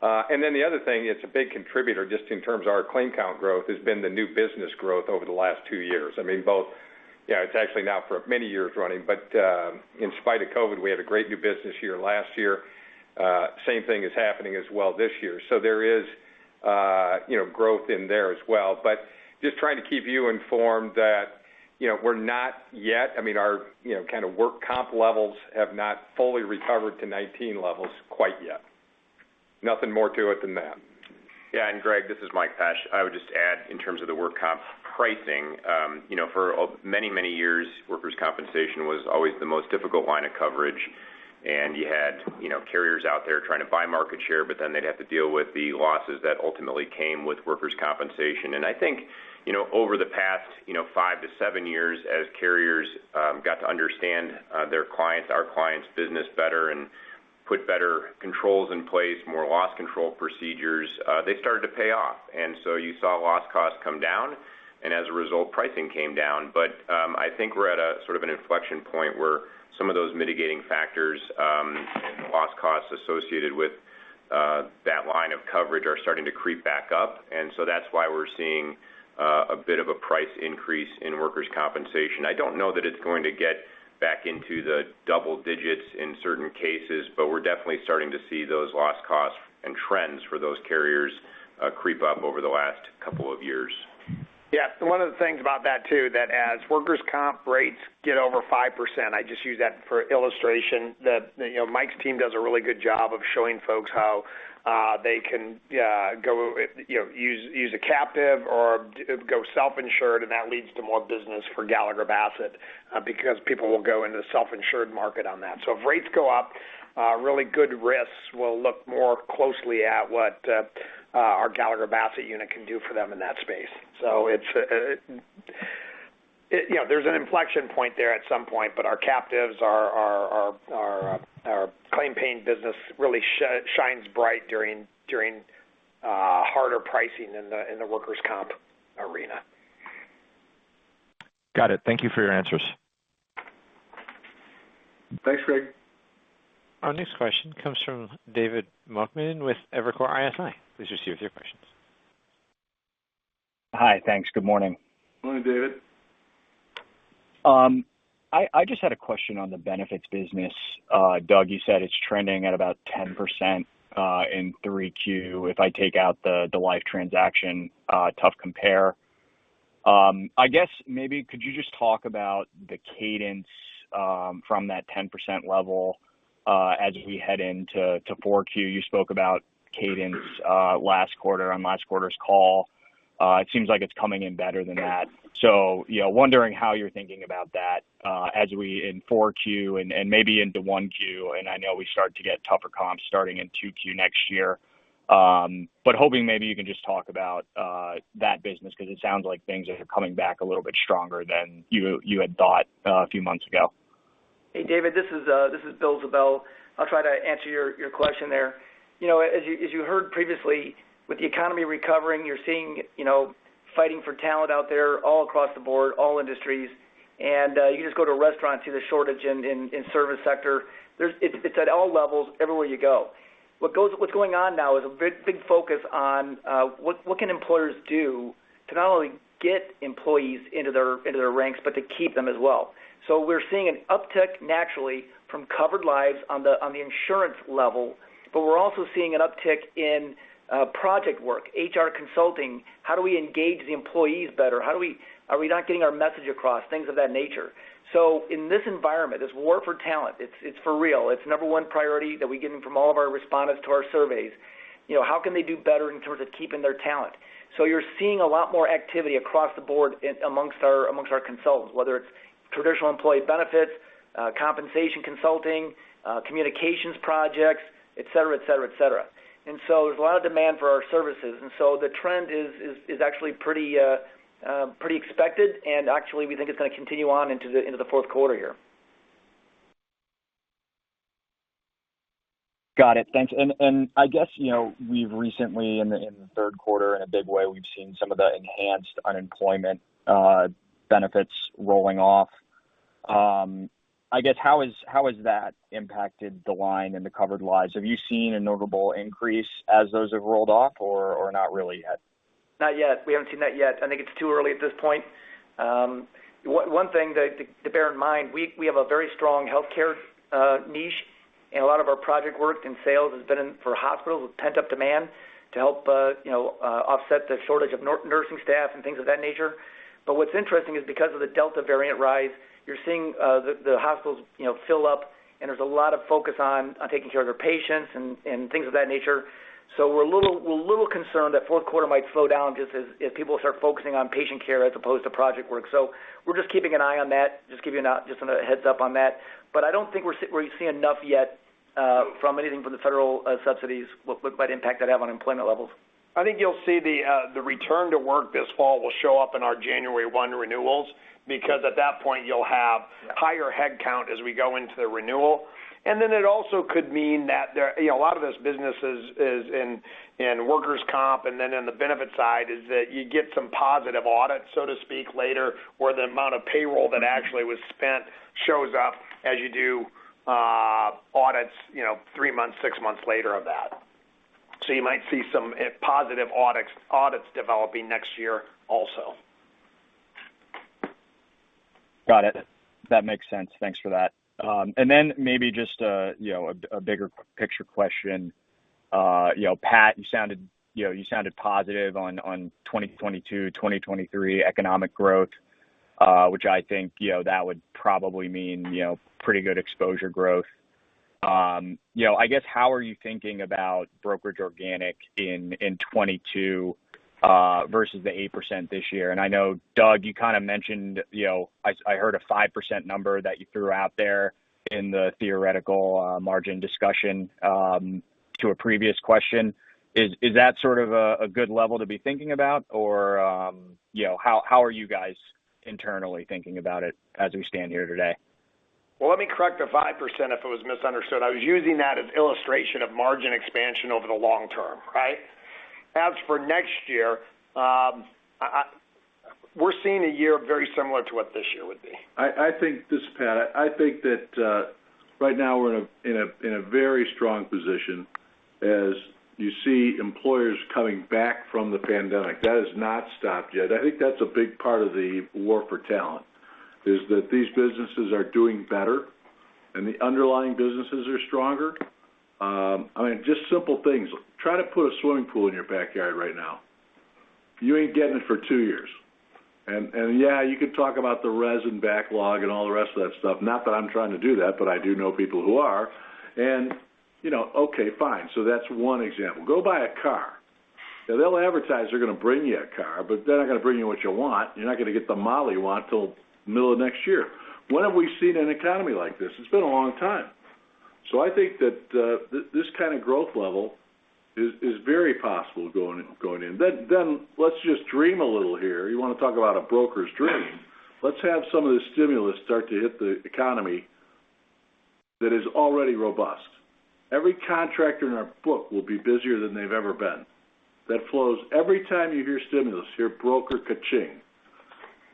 The other thing, it's a big contributor just in terms of our claim count growth has been the new business growth over the last 2 years. It's actually now for many years running, but in spite of COVID, we had a great new business year last year. Same thing is happening as well this year. There is growth in there as well, but just trying to keep you informed that Our work comp levels have not fully recovered to 2019 levels quite yet. Nothing more to it than that. Yeah, Greg, this is Michael Pesch. I would just add in terms of the work comp pricing. For many, many years, workers' compensation was always the most difficult line of coverage, you had carriers out there trying to buy market share, they'd have to deal with the losses that ultimately came with workers' compensation. I think, over the past, five to seven years as carriers got to understand their clients, our clients' business better, put better controls in place, more loss control procedures, they started to pay off. You saw loss costs come down, as a result, pricing came down. I think we're at a sort of an inflection point where some of those mitigating factors, loss costs associated with that line of coverage are starting to creep back up. That's why we're seeing a bit of a price increase in workers' compensation. I don't know that it's going to get back into the double digits in certain cases, but we're definitely starting to see those loss costs and trends for those carriers creep up over the last couple of years. One of the things about that, too, that as workers' comp rates get over 5%, I just use that for illustration, that Mike's team does a really good job of showing folks how they can use a captive or go self-insured, and that leads to more business for Gallagher Bassett because people will go into the self-insured market on that. If rates go up, really good risks will look more closely at what our Gallagher Bassett unit can do for them in that space. There's an inflection point there at some point, but our captives, our claim paying business really shines bright during harder pricing in the workers' comp arena. Got it. Thank you for your answers. Thanks, Greg. Our next question comes from David Motemaden with Evercore ISI. Please proceed with your questions. Hi. Thanks. Good morning. Morning, David. I just had a question on the benefits business. Doug, you said it's trending at about 10% in Q3. If I take out the life transaction, tough compare. I guess maybe could you just talk about the cadence from that 10% level as we head into Q4? You spoke about cadence last quarter on last quarter's call. It seems like it's coming in better than that. Wondering how you're thinking about that as we in Q4 and maybe into Q1, and I know we start to get tougher comps starting in Q2 next year. Hoping maybe you can just talk about that business because it sounds like things are coming back a little bit stronger than you had thought a few months ago. Hey, David, this is Bill Ziebell. I'll try to answer your question there. As you heard previously, with the economy recovering, you're seeing fighting for talent out there all across the board, all industries. You can just go to a restaurant and see the shortage in service sector. It's at all levels everywhere you go. What's going on now is a big focus on what can employers do to not only get employees into their ranks, but to keep them as well. We're seeing an uptick naturally from covered lives on the insurance level. We're also seeing an uptick in project work, HR consulting, how do we engage the employees better? Are we not getting our message across? Things of that nature. In this environment, this war for talent, it's for real. It's the number 1 priority that we're getting from all of our respondents to our surveys. How can they do better in terms of keeping their talent? You're seeing a lot more activity across the board amongst our consultants, whether it's traditional employee benefits, compensation consulting, communications projects, et cetera. There's a lot of demand for our services, and so the trend is actually pretty expected, and actually, we think it's going to continue on into the 4th quarter here. Got it. Thanks. I guess we've recently, in the third quarter in a big way, we've seen some of the enhanced unemployment benefits rolling off. I guess, how has that impacted the line and the covered lives? Have you seen a notable increase as those have rolled off, or not really yet? Not yet. We haven't seen that yet. I think it's too early at this point. One thing to bear in mind, we have a very strong healthcare niche, and a lot of our project work and sales has been for hospitals with pent-up demand to help offset the shortage of nursing staff and things of that nature. What's interesting is because of the Delta variant rise, you're seeing the hospitals fill up, and there's a lot of focus on taking care of their patients and things of that nature. We're a little concerned that fourth quarter might slow down just as if people start focusing on patient care as opposed to project work. We're just keeping an eye on that. Just giving you a heads-up on that. I don't think we're seeing enough yet from anything from the federal subsidies, what impact that'd have on employment levels. I think you'll see the return to work this fall will show up in our January 1 renewals, because at that point, you'll have higher headcount as we go into the renewal. It also could mean that A lot of this business is in workers' comp, and then on the benefit side is that you get some positive audits, so to speak, later, where the amount of payroll that actually was spent shows up as you do audits three months, six months later of that. You might see some positive audits developing next year also. Got it. That makes sense. Thanks for that. Then maybe just a bigger picture question. Pat, you sounded positive on 2022, 2023 economic growth, which I think that would probably mean pretty good exposure growth. I guess how are you thinking about brokerage organic in 2022 versus the 8% this year? I know, Doug, you kind of mentioned, I heard a 5% number that you threw out there in the theoretical margin discussion, to a previous question. Is that sort of a good level to be thinking about, or how are you guys internally thinking about it as we stand here today? Well, let me correct the 5% if it was misunderstood. I was using that as illustration of margin expansion over the long term, right? As for next year, we're seeing a year very similar to what this year would be. I think this, Pat, I think that right now we're in a very strong position as you see employers coming back from the pandemic. That has not stopped yet. I think that's a big part of the war for talent, is that these businesses are doing better, and the underlying businesses are stronger. Just simple things. Try to put a swimming pool in your backyard right now. You ain't getting it for 2 years. Yeah, you could talk about the res and backlog and all the rest of that stuff. Not that I'm trying to do that, but I do know people who are. Okay, fine. That's 1 example. Go buy a car. Now they'll advertise they're going to bring you a car, but they're not going to bring you what you want. You're not going to get the model you want till middle of next year. When have we seen an economy like this? It's been a long time. I think that this kind of growth level is very possible going in. Let's just dream a little here. You want to talk about a broker's dream? Let's have some of the stimulus start to hit the economy that is already robust. Every contractor in our book will be busier than they've ever been. That flows every time you hear stimulus, you hear broker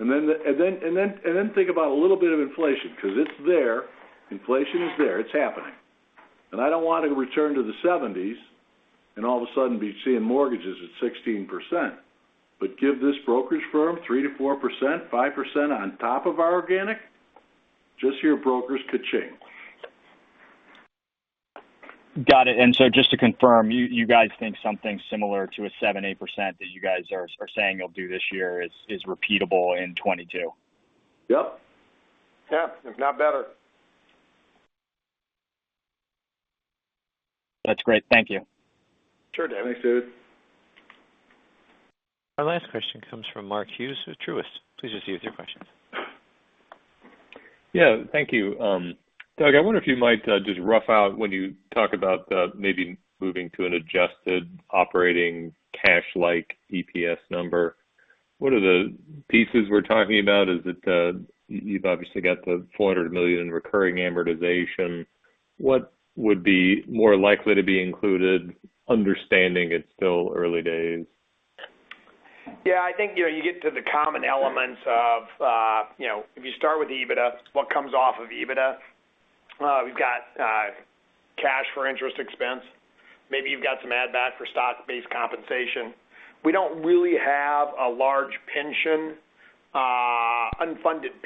ka-ching. Think about a little bit of inflation, because it's there. Inflation is there. It's happening. I don't want to return to the '70s and all of a sudden be seeing mortgages at 16%, but give this brokerage firm 3%-4%, 5% on top of our organic, just hear brokers ka-ching. Got it. Just to confirm, you guys think something similar to a 7%-8% that you guys are saying you'll do this year is repeatable in 2022? Yep. Yeah, if not better. That's great. Thank you. Sure, David. Thanks, David. Our last question comes from Mark Hughes with Truist. Please proceed with your question. Thank you. Doug, I wonder if you might just rough out when you talk about maybe moving to an adjusted operating cash-like EPS number. What are the pieces we're talking about? You've obviously got the $400 million in recurring amortization. What would be more likely to be included, understanding it's still early days? Yeah, I think, you get to the common elements of, if you start with EBITDA, what comes off of EBITDA? We've got cash for interest expense. Maybe you've got some add-back for stock-based compensation. We don't really have a large unfunded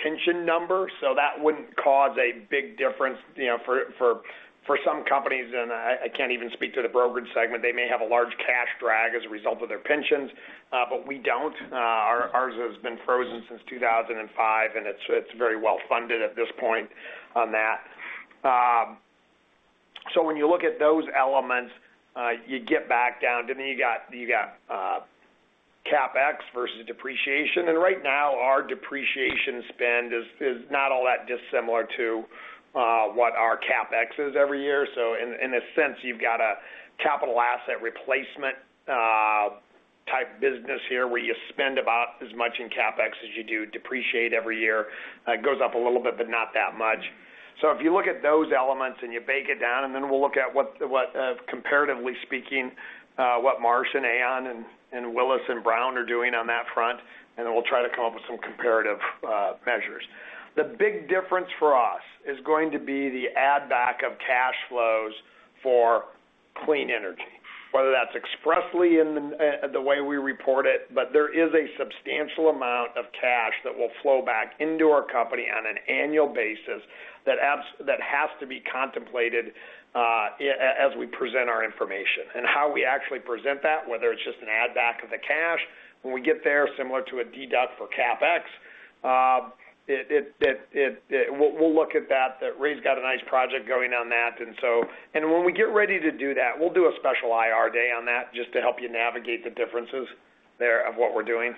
pension number, so that wouldn't cause a big difference. For some companies, and I can't even speak to the brokerage segment, they may have a large cash drag as a result of their pensions, but we don't. Ours has been frozen since 2005, and it's very well-funded at this point on that. When you look at those elements, you get back down. You got CapEx versus depreciation. Right now, our depreciation spend is not all that dissimilar to what our CapEx is every year. In a sense, you've got a capital asset replacement type business here, where you spend about as much in CapEx as you do depreciate every year. It goes up a little bit, but not that much. If you look at those elements and you bake it down, and then we'll look at what, comparatively speaking, what Marsh & Aon and Willis and Brown are doing on that front, and then we'll try to come up with some comparative measures. The big difference for us is going to be the add back of cash flows for clean energy, whether that's expressly in the way we report it. There is a substantial amount of cash that will flow back into our company on an annual basis that has to be contemplated as we present our information. How we actually present that, whether it's just an add back of the cash, when we get there, similar to a deduct for CapEx, we'll look at that. Ray's got a nice project going on that. When we get ready to do that, we'll do a special IR day on that just to help you navigate the differences there of what we're doing.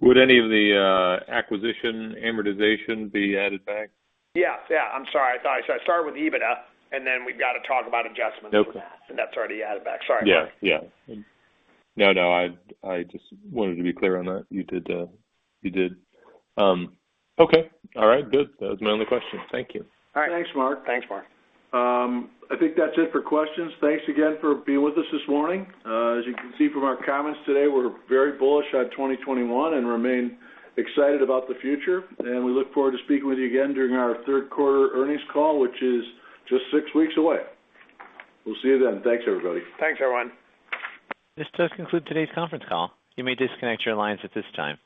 Would any of the acquisition amortization be added back? Yeah. I'm sorry. I thought I started with EBITDA, and then we've got to talk about adjustments. Okay. That's already added back. Sorry. Yeah. No, I just wanted to be clear on that. You did. Okay. All right, good. That was my only question. Thank you. All right. Thanks, Mark. Thanks, Mark. I think that's it for questions. Thanks again for being with us this morning. As you can see from our comments today, we're very bullish on 2021 and remain excited about the future, and we look forward to speaking with you again during our third quarter earnings call, which is just six weeks away. We'll see you then. Thanks, everybody. Thanks, everyone. This does conclude today's conference call. You may disconnect your lines at this time.